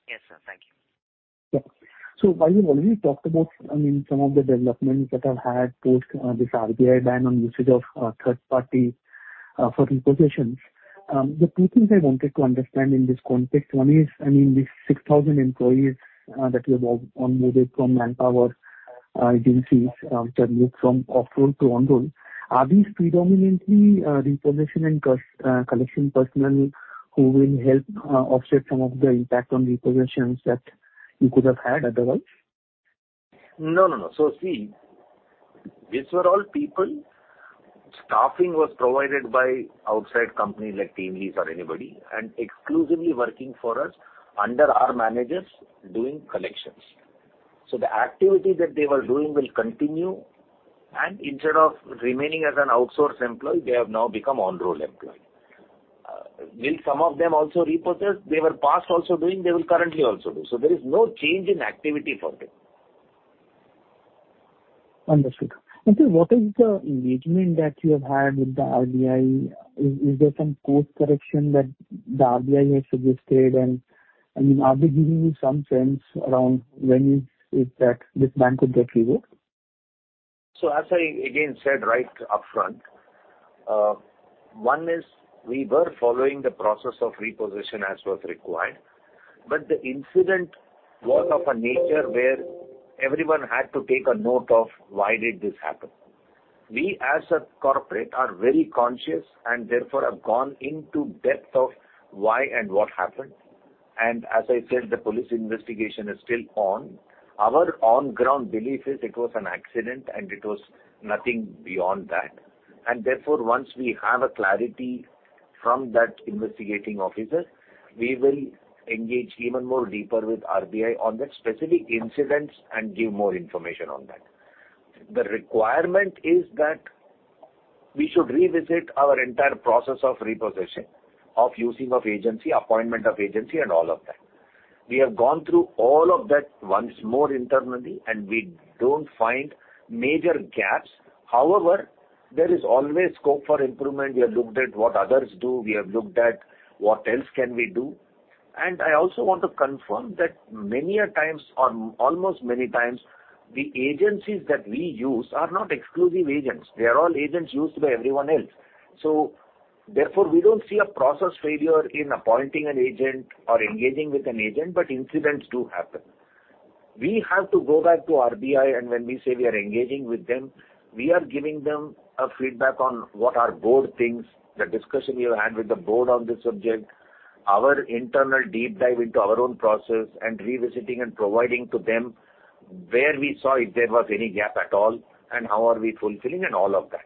Yes, sir. Thank you. Yeah. While you already talked about, I mean, some of the developments that have happened post this RBI ban on usage of third party for repossessions, the two things I wanted to understand in this context, one is, I mean, these 6,000 employees that you have onboarded from manpower agencies that moved from off-roll to on-roll, are these predominantly repossession and collection personnel who will help offset some of the impact on repossessions that you could have had otherwise? No, no. See, these were all people, staffing was provided by outside companies like TeamLease or anybody, and exclusively working for us under our managers doing collections. The activity that they were doing will continue and instead of remaining as an outsource employee, they have now become on-roll employee. Will some of them also repossess? They were past also doing, they will currently also do. There is no change in activity for them. Understood. Sir, what is the engagement that you have had with the RBI? Is there some course correction that the RBI has suggested? I mean, are they giving you some sense around when is it that this bank could get revived? As I again said right upfront, one is we were following the process of repossession as was required, but the incident was of a nature where everyone had to take a note of why did this happen. We, as a corporate, are very conscious and therefore have gone into depth of why and what happened. As I said, the police investigation is still on. Our on-ground belief is it was an accident and it was nothing beyond that. Therefore, once we have a clarity from that investigating officer, we will engage even more deeper with RBI on that specific incidents and give more information on that. The requirement is that we should revisit our entire process of repossession, of using of agency, appointment of agency and all of that. We have gone through all of that once more internally, and we don't find major gaps. However, there is always scope for improvement. We have looked at what others do. We have looked at what else can we do. I also want to confirm that many a times or almost many times, the agencies that we use are not exclusive agents. They are all agents used by everyone else. Therefore, we don't see a process failure in appointing an agent or engaging with an agent, but incidents do happen. We have to go back to RBI, and when we say we are engaging with them, we are giving them a feedback on what our board thinks, the discussion we have had with the board on this subject, our internal deep dive into our own process and revisiting and providing to them where we saw if there was any gap at all and how are we fulfilling and all of that.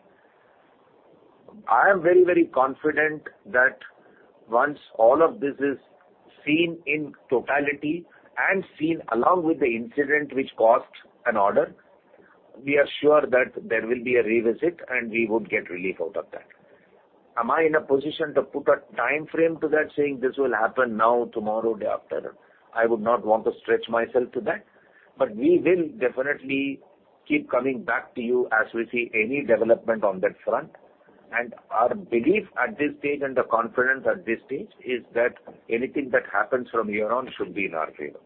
I am very, very confident that once all of this is seen in totality and seen along with the incident which caused an order, we are sure that there will be a revisit and we would get relief out of that. Am I in a position to put a timeframe to that saying this will happen now, tomorrow, day after? I would not want to stretch myself to that. We will definitely keep coming back to you as we see any development on that front. Our belief at this stage and the confidence at this stage is that anything that happens from here on should be in our favor.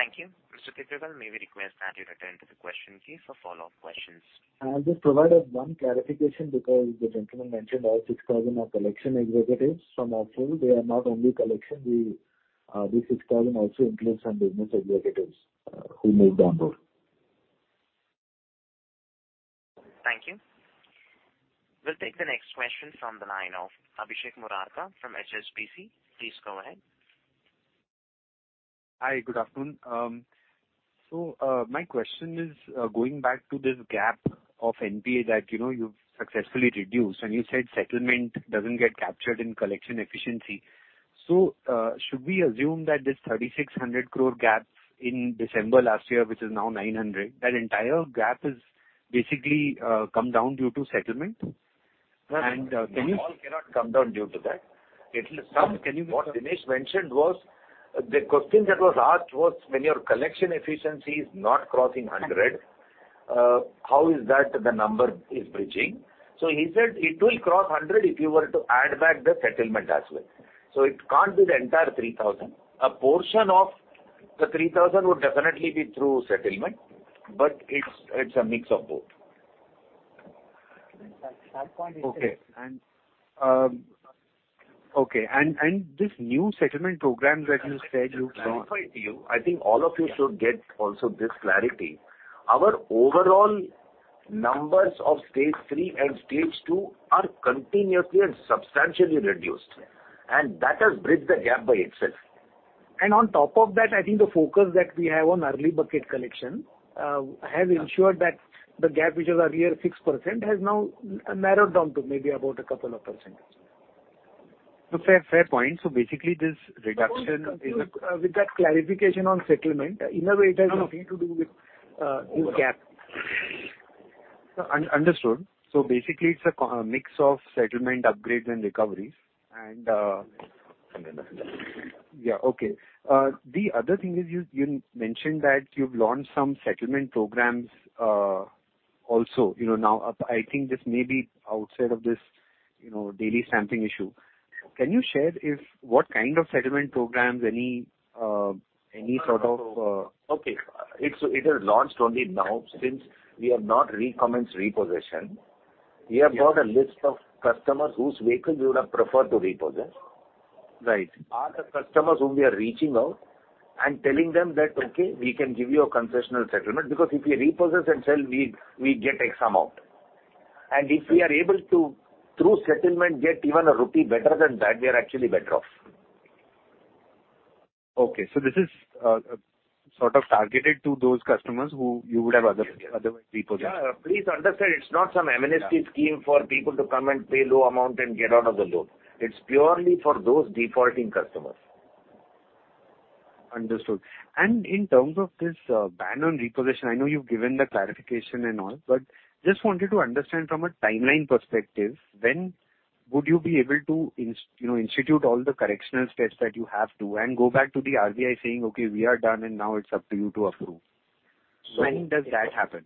Thank you. Mr. Tibrewal, may we request that you return to the question queue for follow-up questions. I'll just provide one clarification because the gentleman mentioned all 6,000 are collection executives from October. They are not only collection. We, this 6,000 also includes some business executives, who moved on board. Thank you. We'll take the next question from the line of Abhishek Murarka from HSBC. Please go ahead. Hi. Good afternoon. My question is going back to this gap of NPA that, you know, you've successfully reduced, and you said settlement doesn't get captured in collection efficiency. Should we assume that this 3,600 crore gap in December last year, which is now 900 crore, that entire gap is basically come down due to settlement? Can you- No, not all cannot come down due to that. It'll come. Sir, can you. What Dinesh mentioned was the question that was asked when your collection efficiency is not crossing 100%, how is that the number is bridging. He said it will cross 100% if you were to add back the settlement as well. It can't be the entire 3,000. A portion of the 3,000 would definitely be through settlement, but it's a mix of both. Okay. This new settlement program that you said you've got- To clarify to you, I think all of you should get also this clarity. Our overall numbers of Stage3 and Stage 2 are continuously and substantially reduced, and that has bridged the gap by itself. On top of that, I think the focus that we have on early bucket collection has ensured that the gap which was earlier 6% has now narrowed down to maybe about a couple of percent. No, fair point. Basically this reduction is a- No, with that clarification on settlement, you know it has nothing to do with your gap. Understood. Basically it's a mix of settlement upgrades and recoveries. Understood. Yeah, okay. The other thing is you mentioned that you've launched some settlement programs, also, you know, now up. I think this may be outside of this, you know, daily stamping issue. Can you share what kind of settlement programs, any sort of Okay. It is launched only now since we have not recommenced repossession. We have got a list of customers whose vehicles we would have preferred to repossess. Right. Are the customers whom we are reaching out and telling them that, "Okay, we can give you a concessional settlement"? Because if we repossess and sell, we get X amount. If we are able to, through settlement, get even a rupee better than that, we are actually better off. Okay. This is sort of targeted to those customers who you would have otherwise repossessed. Yeah. Please understand it's not some amnesty scheme for people to come and pay low amount and get out of the loan. It's purely for those defaulting customers. Understood. In terms of this ban on repossession, I know you've given the clarification and all, but just wanted to understand from a timeline perspective, when would you be able to you know, institute all the correctional steps that you have to and go back to the RBI saying, "Okay, we are done and now it's up to you to approve." When does that happen?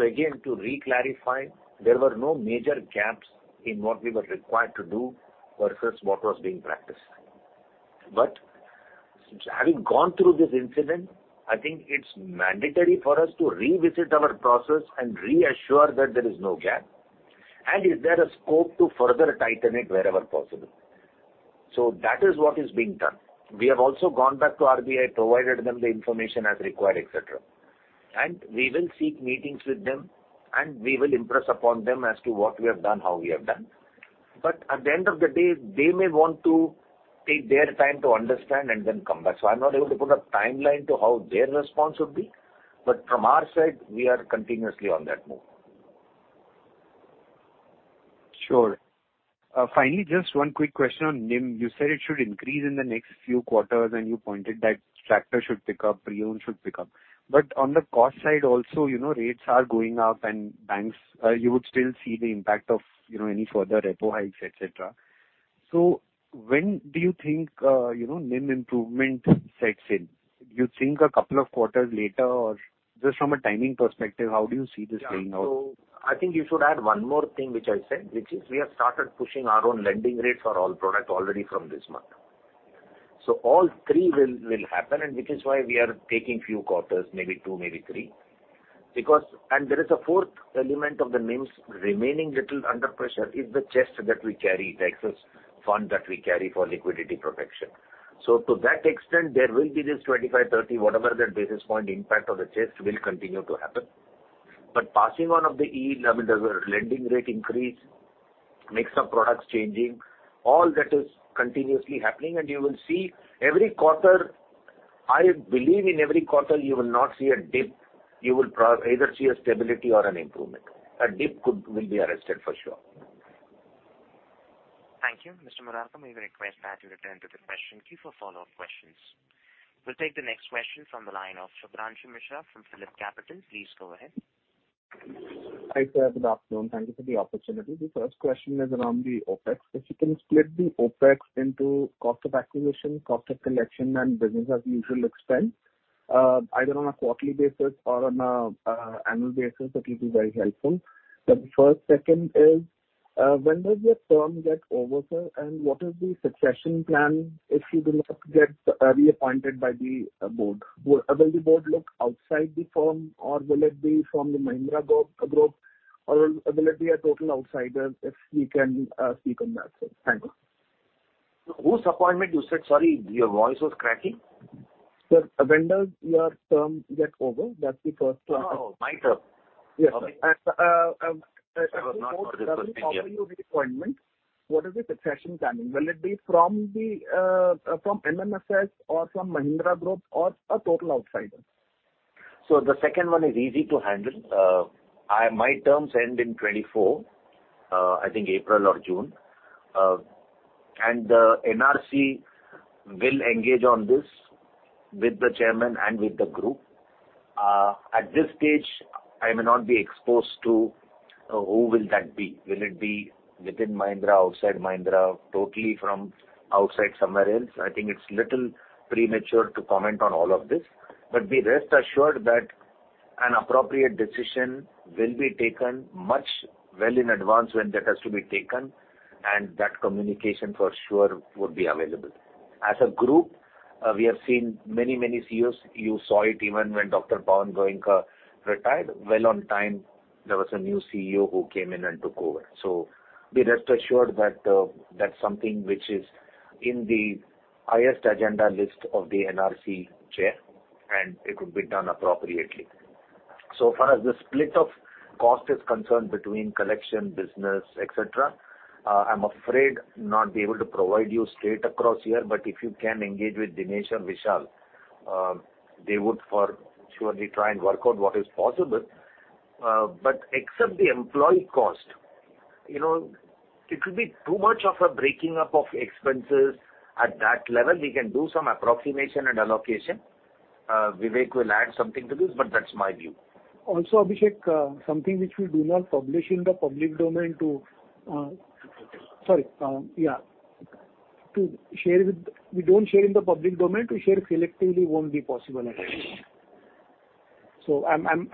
Again, to reclarify, there were no major gaps in what we were required to do versus what was being practiced. Since having gone through this incident, I think it's mandatory for us to revisit our process and reassure that there is no gap and is there a scope to further tighten it wherever possible. That is what is being done. We have also gone back to RBI, provided them the information as required, et cetera. We will seek meetings with them and we will impress upon them as to what we have done, how we have done. At the end of the day, they may want to take their time to understand and then come back. I'm not able to put a timeline to how their response would be, but from our side, we are continuously on that move. Sure. Finally, just one quick question on NIM. You said it should increase in the next few quarters, and you pointed that Tractor should pick up, Pre-owned should pick up. But on the cost side also, you know, rates are going up and banks, you would still see the impact of, you know, any further Repo hikes, et cetera. When do you think, you know, NIM improvement sets in? Do you think a couple of quarters later, or just from a timing perspective, how do you see this playing out? Yeah. I think you should add one more thing which I said, which is we have started pushing our own lending rates for all product already from this month. All three will happen, and which is why we are taking few quarters, maybe two, maybe three. There is a fourth element of the NIMs remaining little under pressure is the chest that we Carry, the excess fund that we Carry for liquidity protection. To that extent, there will be this 25-30, whatever the basis point impact of the chest will continue to happen. Passing on of the yield, I mean, there's a lending rate increase. Mix of products changing, all that is continuously happening and you will see every quarter. I believe in every quarter, you will not see a dip. You will either see a stability or an improvement. A dip will be arrested for sure. Thank you. Mr. Murarka, may we request that you return to the question queue for follow-up questions. We'll take the next question from the line of Shubhranshu Mishra from PhillipCapital. Please go ahead. Hi, sir. Good afternoon. Thank you for the opportunity. The first question is around the OpEx. If you can split the OpEx into cost of acquisition, cost of collection, and business as usual expense, either on a quarterly basis or on an annual basis, that will be very helpful. Second is, when does your term get over, sir? And what is the succession plan if you do not get reappointed by the board? Will the board look outside the firm or will it be from the Mahindra Group? Or will it be a total outsider, if you can speak on that, sir. Thank you. Whose appointment you said? Sorry, your voice was cracking. Sir, when does your term get over? That's the first question. Oh, my turn? Yes. Okay. Uh, um, if- I was not very clear. If the board doesn't offer you reappointment, what is the succession planning? Will it be from the, from MMFS or from Mahindra Group or a total outsider? The second one is easy to handle. My terms end in 2024, I think April or June. The NRC will engage on this with the chairman and with the group. At this stage, I may not be exposed to who will that be. Will it be within Mahindra, outside Mahindra, totally from outside somewhere else? I think it's little premature to comment on all of this, but be rest assured that an appropriate decision will be taken much well in advance when that has to be taken, and that communication for sure would be available. As a group, we have seen many, many CEOs. You saw it even when Dr. Pawan Goenka retired. Well on time, there was a new CEO who came in and took over. Rest assured that that's something which is in the highest agenda list of the NRC chair, and it would be done appropriately. As far as the split of cost is concerned between collection business, et cetera, I'm afraid I won't be able to provide you straight across here, but if you can engage with Dinesh or Vishal, they would for sure try and work out what is possible. Except the employee cost, you know, it will be too much of a breaking up of expenses. At that level, we can do some approximation and allocation. Vivek will add something to this, but that's my view. Abhishek, something which we do not publish in the public domain. We don't share in the public domain. To share selectively won't be possible at all. I'm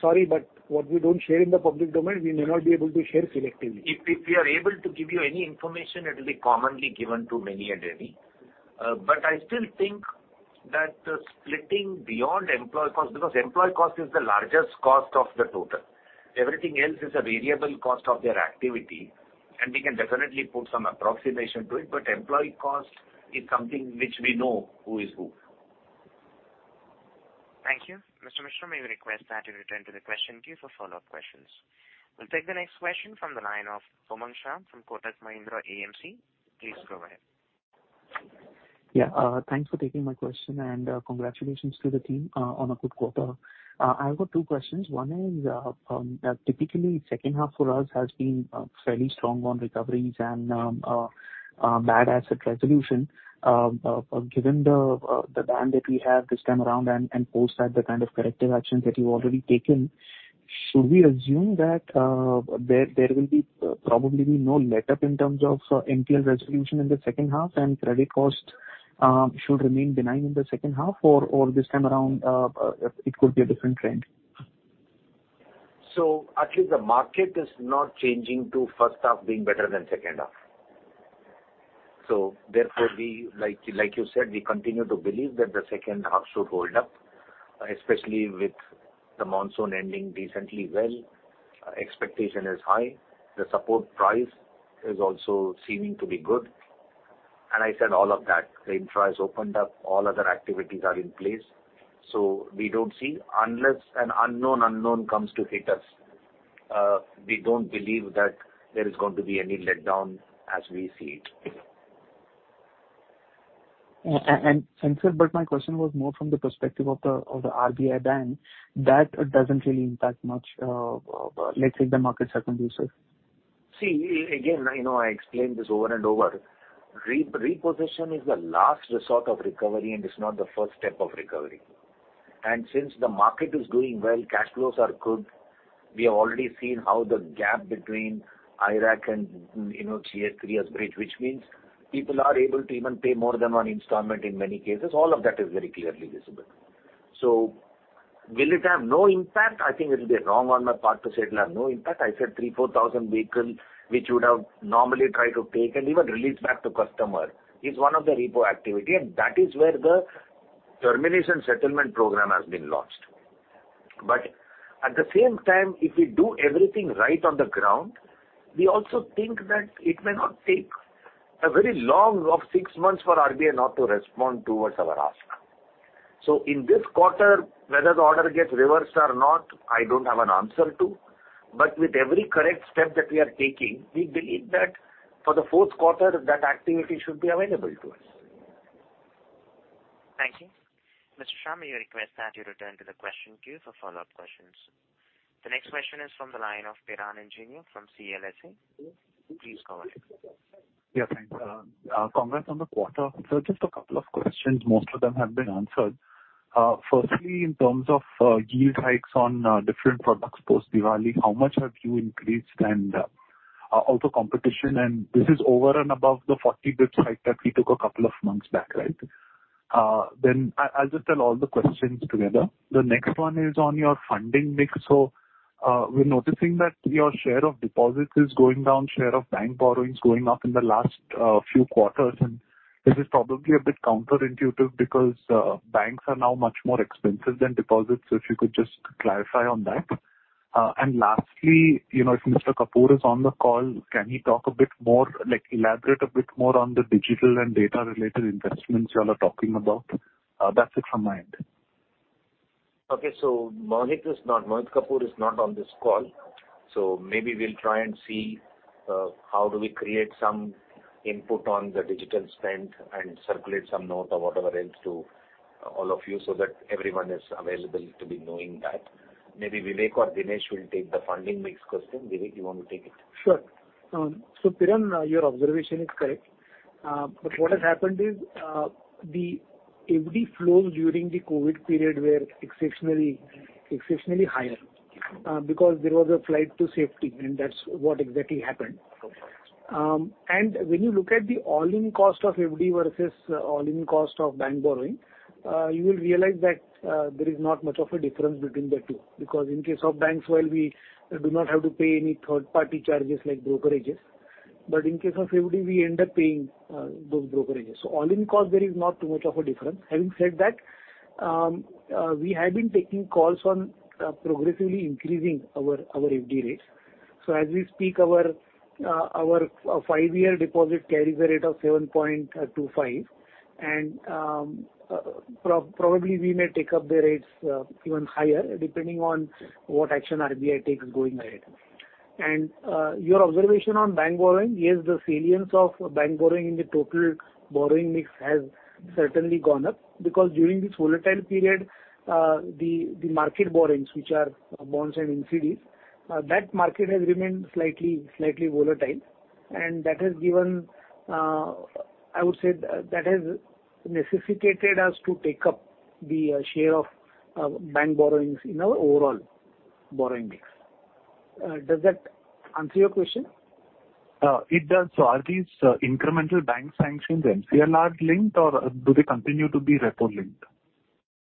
sorry, but what we don't share in the public domain, we may not be able to share selectively. If we are able to give you any information, it will be commonly given to many and any. I still think that splitting beyond employee cost, because employee cost is the largest cost of the total. Everything else is a variable cost of their activity, and we can definitely put some approximation to it, but employee cost is something which we know who is who. Thank you. Mr. Mishra, may we request that you return to the question queue for follow-up questions. We'll take the next question from the line of Sumant Sharma from Kotak Mahindra AMC. Please go ahead. Yeah. Thanks for taking my question, and congratulations to the team on a good quarter. I've got two questions. One is typically second half for us has been fairly strong on recoveries and bad asset resolution. Given the ban that we have this time around and post that, the kind of corrective actions that you've already taken, should we assume that there will probably be no letup in terms of NPL resolution in the second half and Credit Cost should remain benign in the second half? Or this time around it could be a different trend? Actually the market is not changing to first half being better than second half. Therefore we like you said, we continue to believe that the second half should hold up, especially with the monsoon ending decently well. Expectation is high. The support price is also seeming to be good. I said all of that. The infra is opened up. All other activities are in place. We don't see unless an unknown unknown comes to hit us, we don't believe that there is going to be any letdown as we see it. Sir, my question was more from the perspective of the RBI ban. That doesn't really impact much, let's say the market second view, sir. See again, you know, I explained this over and over. Repossession is the last resort of recovery and is not the first step of recovery. Since the market is doing well, cash flows are good. We have already seen how the gap between IRAC and, you know, GS3 has bridged, which means people are able to even pay more than one installment in many cases. All of that is very clearly visible. Will it have no impact? I think it'll be wrong on my part to say it'll have no impact. I said 3-4 thousand vehicles, which would have normally tried to take and even released back to customer is one of the repo activity, and that is where the Termination Settlement Program has been launched. At the same time, if we do everything right on the ground, we also think that it may not take as long as six months for RBI to respond to our ask. In this quarter, whether the order gets reversed or not, I don't have an answer to. With every correct step that we are taking, we believe that for the fourth quarter, that activity should be available to us. Thank you. Mr. Sharma, we request that you return to the question queue for follow-up questions. The next question is from the line of Piran Engineer from CLSA. Please go ahead. Yeah, thanks. Congrats on the quarter. Sir, just a couple of questions, most of them have been answered. Firstly, in terms of yield hikes on different products post-Diwali, how much have you increased? Also competition, and this is over and above the 40 basis points hike that we took a couple of months back, right? Then I'll just tell all the questions together. The next one is on your funding mix. We're noticing that your share of deposits is going down, share of bank borrowings going up in the last few quarters. This is probably a bit counterintuitive because banks are now much more expensive than deposits. If you could just clarify on that. Lastly, you know, if Mr. Kapoor is on the call, can he talk a bit more, like elaborate a bit more on the digital and data related investments you all are talking about? That's it from my end. Okay. Mohit Kapoor is not on this call. Maybe we'll try and see how do we create some input on the digital spend and circulate some note or whatever else to all of you so that everyone is available to be knowing that. Maybe Vivek or Dinesh will take the funding mix question. Vivek, you want to take it? Sure. Piran, your observation is correct. But what has happened is, the FD flows during the COVID period were exceptionally higher, because there was a flight to safety, and that's what exactly happened. When you look at the all-in cost of FD versus all-in cost of bank borrowing, you will realize that, there is not much of a difference between the two. Because in case of banks, while we do not have to pay any third party charges like brokerages, but in case of FD, we end up paying, those brokerages. All-in cost, there is not too much of a difference. Having said that, we have been taking calls on, progressively increasing our FD rates. As we speak, our five-year deposit Carries a rate of 7.25%. Probably we may take up the rates even higher, depending on what action RBI takes going ahead. Your observation on bank borrowing, yes, the salience of bank borrowing in the total borrowing mix has certainly gone up because during this volatile period, the market borrowings, which are bonds and NCDs, that market has remained slightly volatile. That has given, I would say that has necessitated us to take up the share of bank borrowings in our overall borrowing mix. Does that answer your question? It does. Are these incremental bank sanctions MCLR-linked or do they continue to be repo-linked?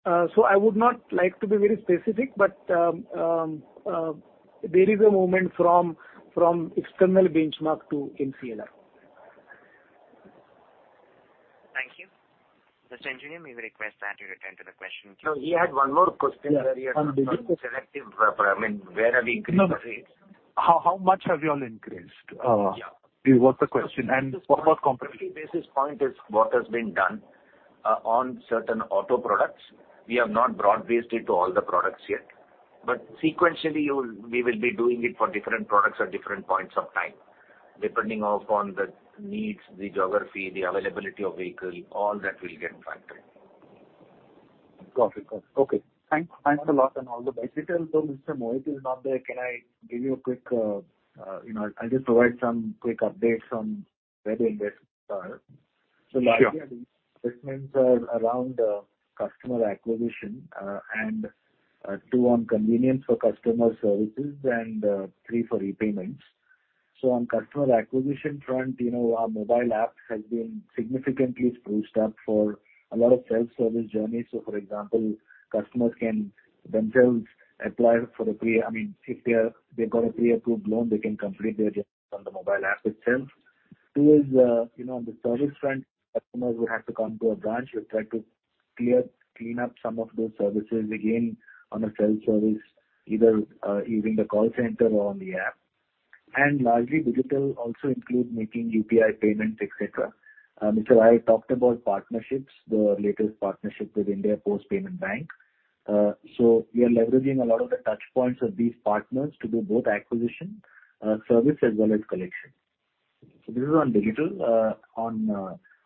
I would not like to be very specific, but there is a movement from external benchmark to MCLR. Thank you. Mr. Engineer, may we request that you return to the question queue. No, he had one more question where you are talking about selective, I mean, where are we increasing the rates? How much have you all increased? Yeah. It was the question, and what was competition. 50 basis point is what has been done on certain auto products. We have not broad-based it to all the products yet. Sequentially, we will be doing it for different products at different points of time, depending upon the needs, the geography, the availability of vehicle, all that will get factored in. Got it. Okay. Thanks. Thanks a lot and all the best. Digital, though, Mr. Mohit Kapoor is not there. Can I give you a quick, you know, I'll just provide some quick updates on where the investments are. Sure. Largely, investments are around customer acquisition and two on convenience for customer services and three for repayments. On customer acquisition front, you know, our mobile app has been significantly spruced up for a lot of self-service journeys. For example, I mean, if they've got a pre-approved loan, they can complete their loan on the mobile app itself. Two is, you know, on the service front, customers who have to come to a branch, we've tried to clean up some of those services again on a self-service, either using the call center or on the app. Largely digital also include making UPI payments, et cetera. Mr. Iyer talked about partnerships, the latest partnership with India Post Payments Bank. We are leveraging a lot of the touch points of these partners to do both acquisition, service as well as collection. This is on digital.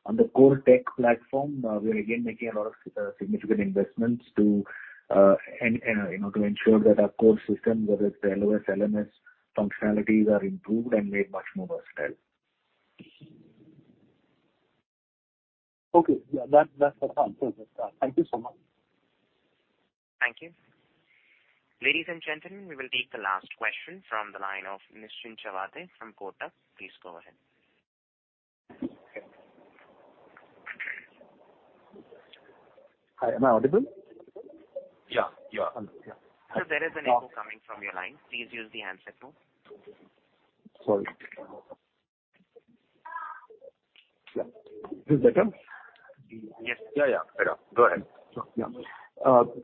On the core tech platform, we are again making a lot of significant investments to, you know, to ensure that our core system, whether it's the LOS, LMS functionalities are improved and made much more versatile. Okay. Yeah. That's the part. Thank you so much. Thank you. Ladies and gentlemen, we will take the last question from the line of Nishrin Chavade from Kotak. Please go ahead. Hi. Am I audible? Yeah. You are. Yeah. Sir, there is an echo coming from your line. Please use the handset phone. Sorry. Yeah. Is this better? Yes. Yeah, yeah. Better. Go ahead.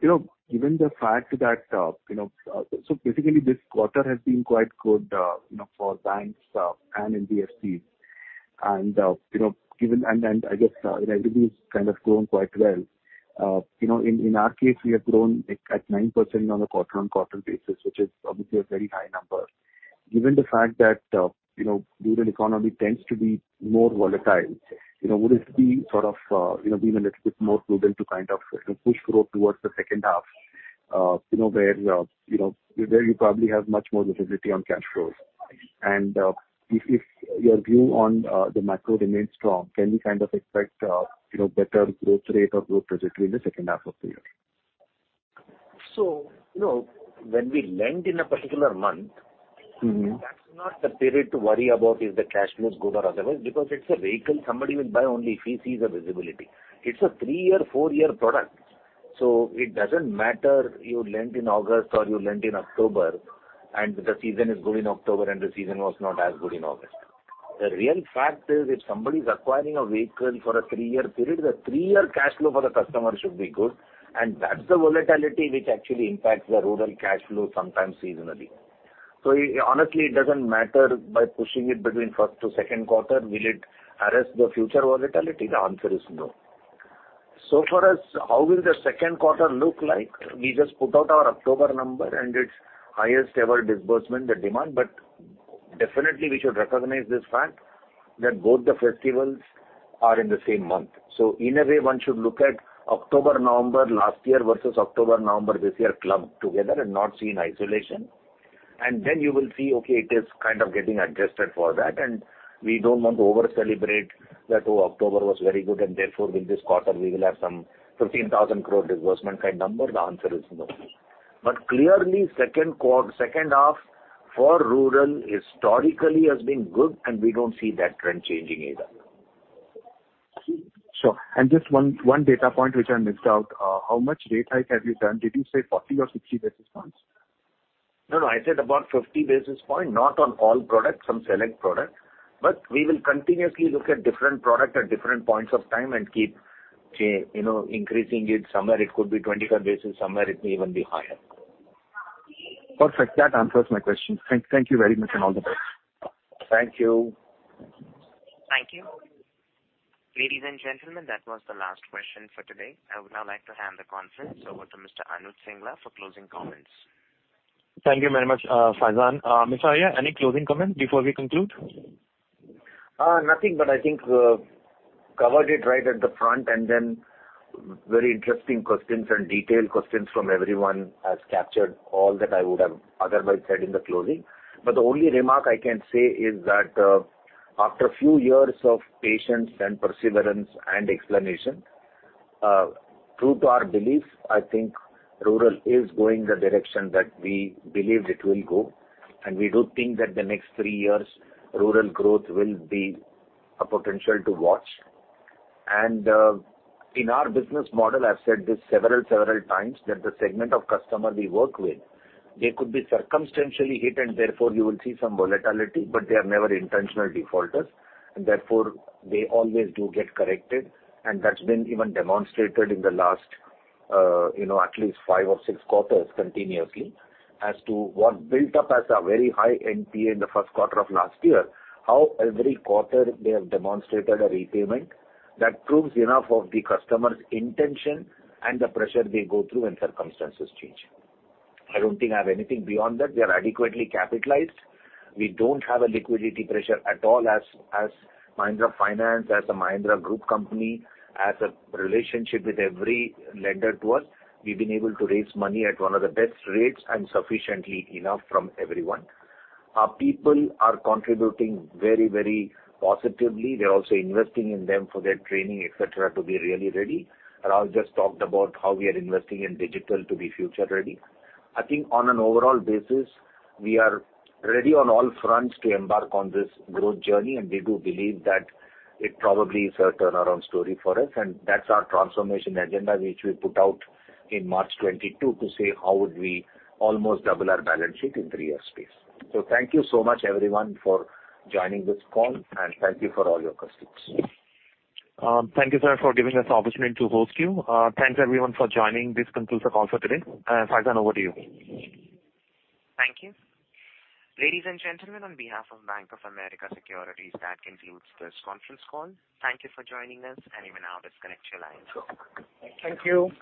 You know, given the fact that, you know, basically this quarter has been quite good, you know, for banks and NBFCs, and you know, given, and I guess, everybody's kind of grown quite well. You know, in our case, we have grown at 9% on a quarter-on-quarter basis, which is obviously a very high number. Given the fact that, you know, rural economy tends to be more volatile, you know, would it be sort of a little bit more prudent to kind of, you know, push growth towards the second half, you know, where you probably have much more visibility on cash flows? If your view on the macro remains strong, can we kind of expect you know better growth rate or growth trajectory in the second half of the year? You know, when we lend in a particular month. Mm-hmm. That's not the period to worry about if the cash flow is good or otherwise, because it's a vehicle somebody will buy only if he sees a visibility. It's a 3-year, 4-year product, so it doesn't matter you lent in August or you lent in October, and the season is good in October, and the season was not as good in August. The real fact is if somebody's acquiring a vehicle for a 3-year period, the 3-year cash flow for the customer should be good, and that's the volatility which actually impacts the rural cash flow sometimes seasonally. Honestly, it doesn't matter by pushing it between first to second quarter, will it arrest the future volatility? The answer is no. For us, how will the second quarter look like? We just put out our October number and it's highest ever disbursement, the demand. Definitely we should recognize this fact that both the festivals are in the same month. In a way, one should look at October, November last year versus October, November this year clubbed together and not see in isolation. Then you will see, okay, it is kind of getting adjusted for that, and we don't want to over celebrate that, "Oh, October was very good, and therefore with this quarter we will have some 15,000 crore disbursement kind number." The answer is no. Clearly second half for rural historically has been good, and we don't see that trend changing either. Sure. Just one data point which I missed out. How much rate hike have you done? Did you say 40 or 60 basis points? No, no, I said about 50 basis point, not on all products, some select products. We will continuously look at different product at different points of time and keep you know, increasing it. Somewhere it could be 25 basis, somewhere it may even be higher. Perfect. That answers my question. Thank you very much and all the best. Thank you. Thank you. Ladies and gentlemen, that was the last question for today. I would now like to hand the conference over to Mr. Anuj Singla for closing comments. Thank you very much, Faizan. Mr. Ramesh Iyer, any closing comments before we conclude? Nothing, but I think covered it right at the front and then very interesting questions and detailed questions from everyone has captured all that I would have otherwise said in the closing. The only remark I can say is that, after a few years of patience and perseverance and explanation, true to our belief, I think rural is going the direction that we believed it will go. We do think that the next 3 years rural growth will be a potential to watch. In our business model, I've said this several times, that the segment of customer we work with, they could be circumstantially hit, and therefore you will see some volatility, but they are never intentional defaulters, and therefore they always do get corrected. That's been even demonstrated in the last, you know, at least five or six quarters continuously as to what built up as a very high NPA in the first quarter of last year, how every quarter they have demonstrated a repayment that proves enough of the customer's intention and the pressure they go through when circumstances change. I don't think I have anything beyond that. We are adequately capitalized. We don't have a liquidity pressure at all as Mahindra Finance, as a Mahindra Group company, as a relationship with every lender to us. We've been able to raise money at one of the best rates and sufficiently enough from everyone. Our people are contributing very, very positively. We are also investing in them for their training, et cetera, to be really ready. Raul just talked about how we are investing in digital to be future ready. I think on an overall basis, we are ready on all fronts to embark on this growth journey, and we do believe that it probably is a turnaround story for us, and that's our transformation agenda, which we put out in March 2022 to say how would we almost double our balance sheet in three years space. Thank you so much everyone for joining this call, and thank you for all your questions. Thank you, sir, for giving us the opportunity to host you. Thanks everyone for joining. This concludes the call for today. Faizan, over to you. Thank you. Ladies and gentlemen, on behalf of Bank of America Securities, that concludes this conference call. Thank you for joining us, and you may now disconnect your lines. Thank you.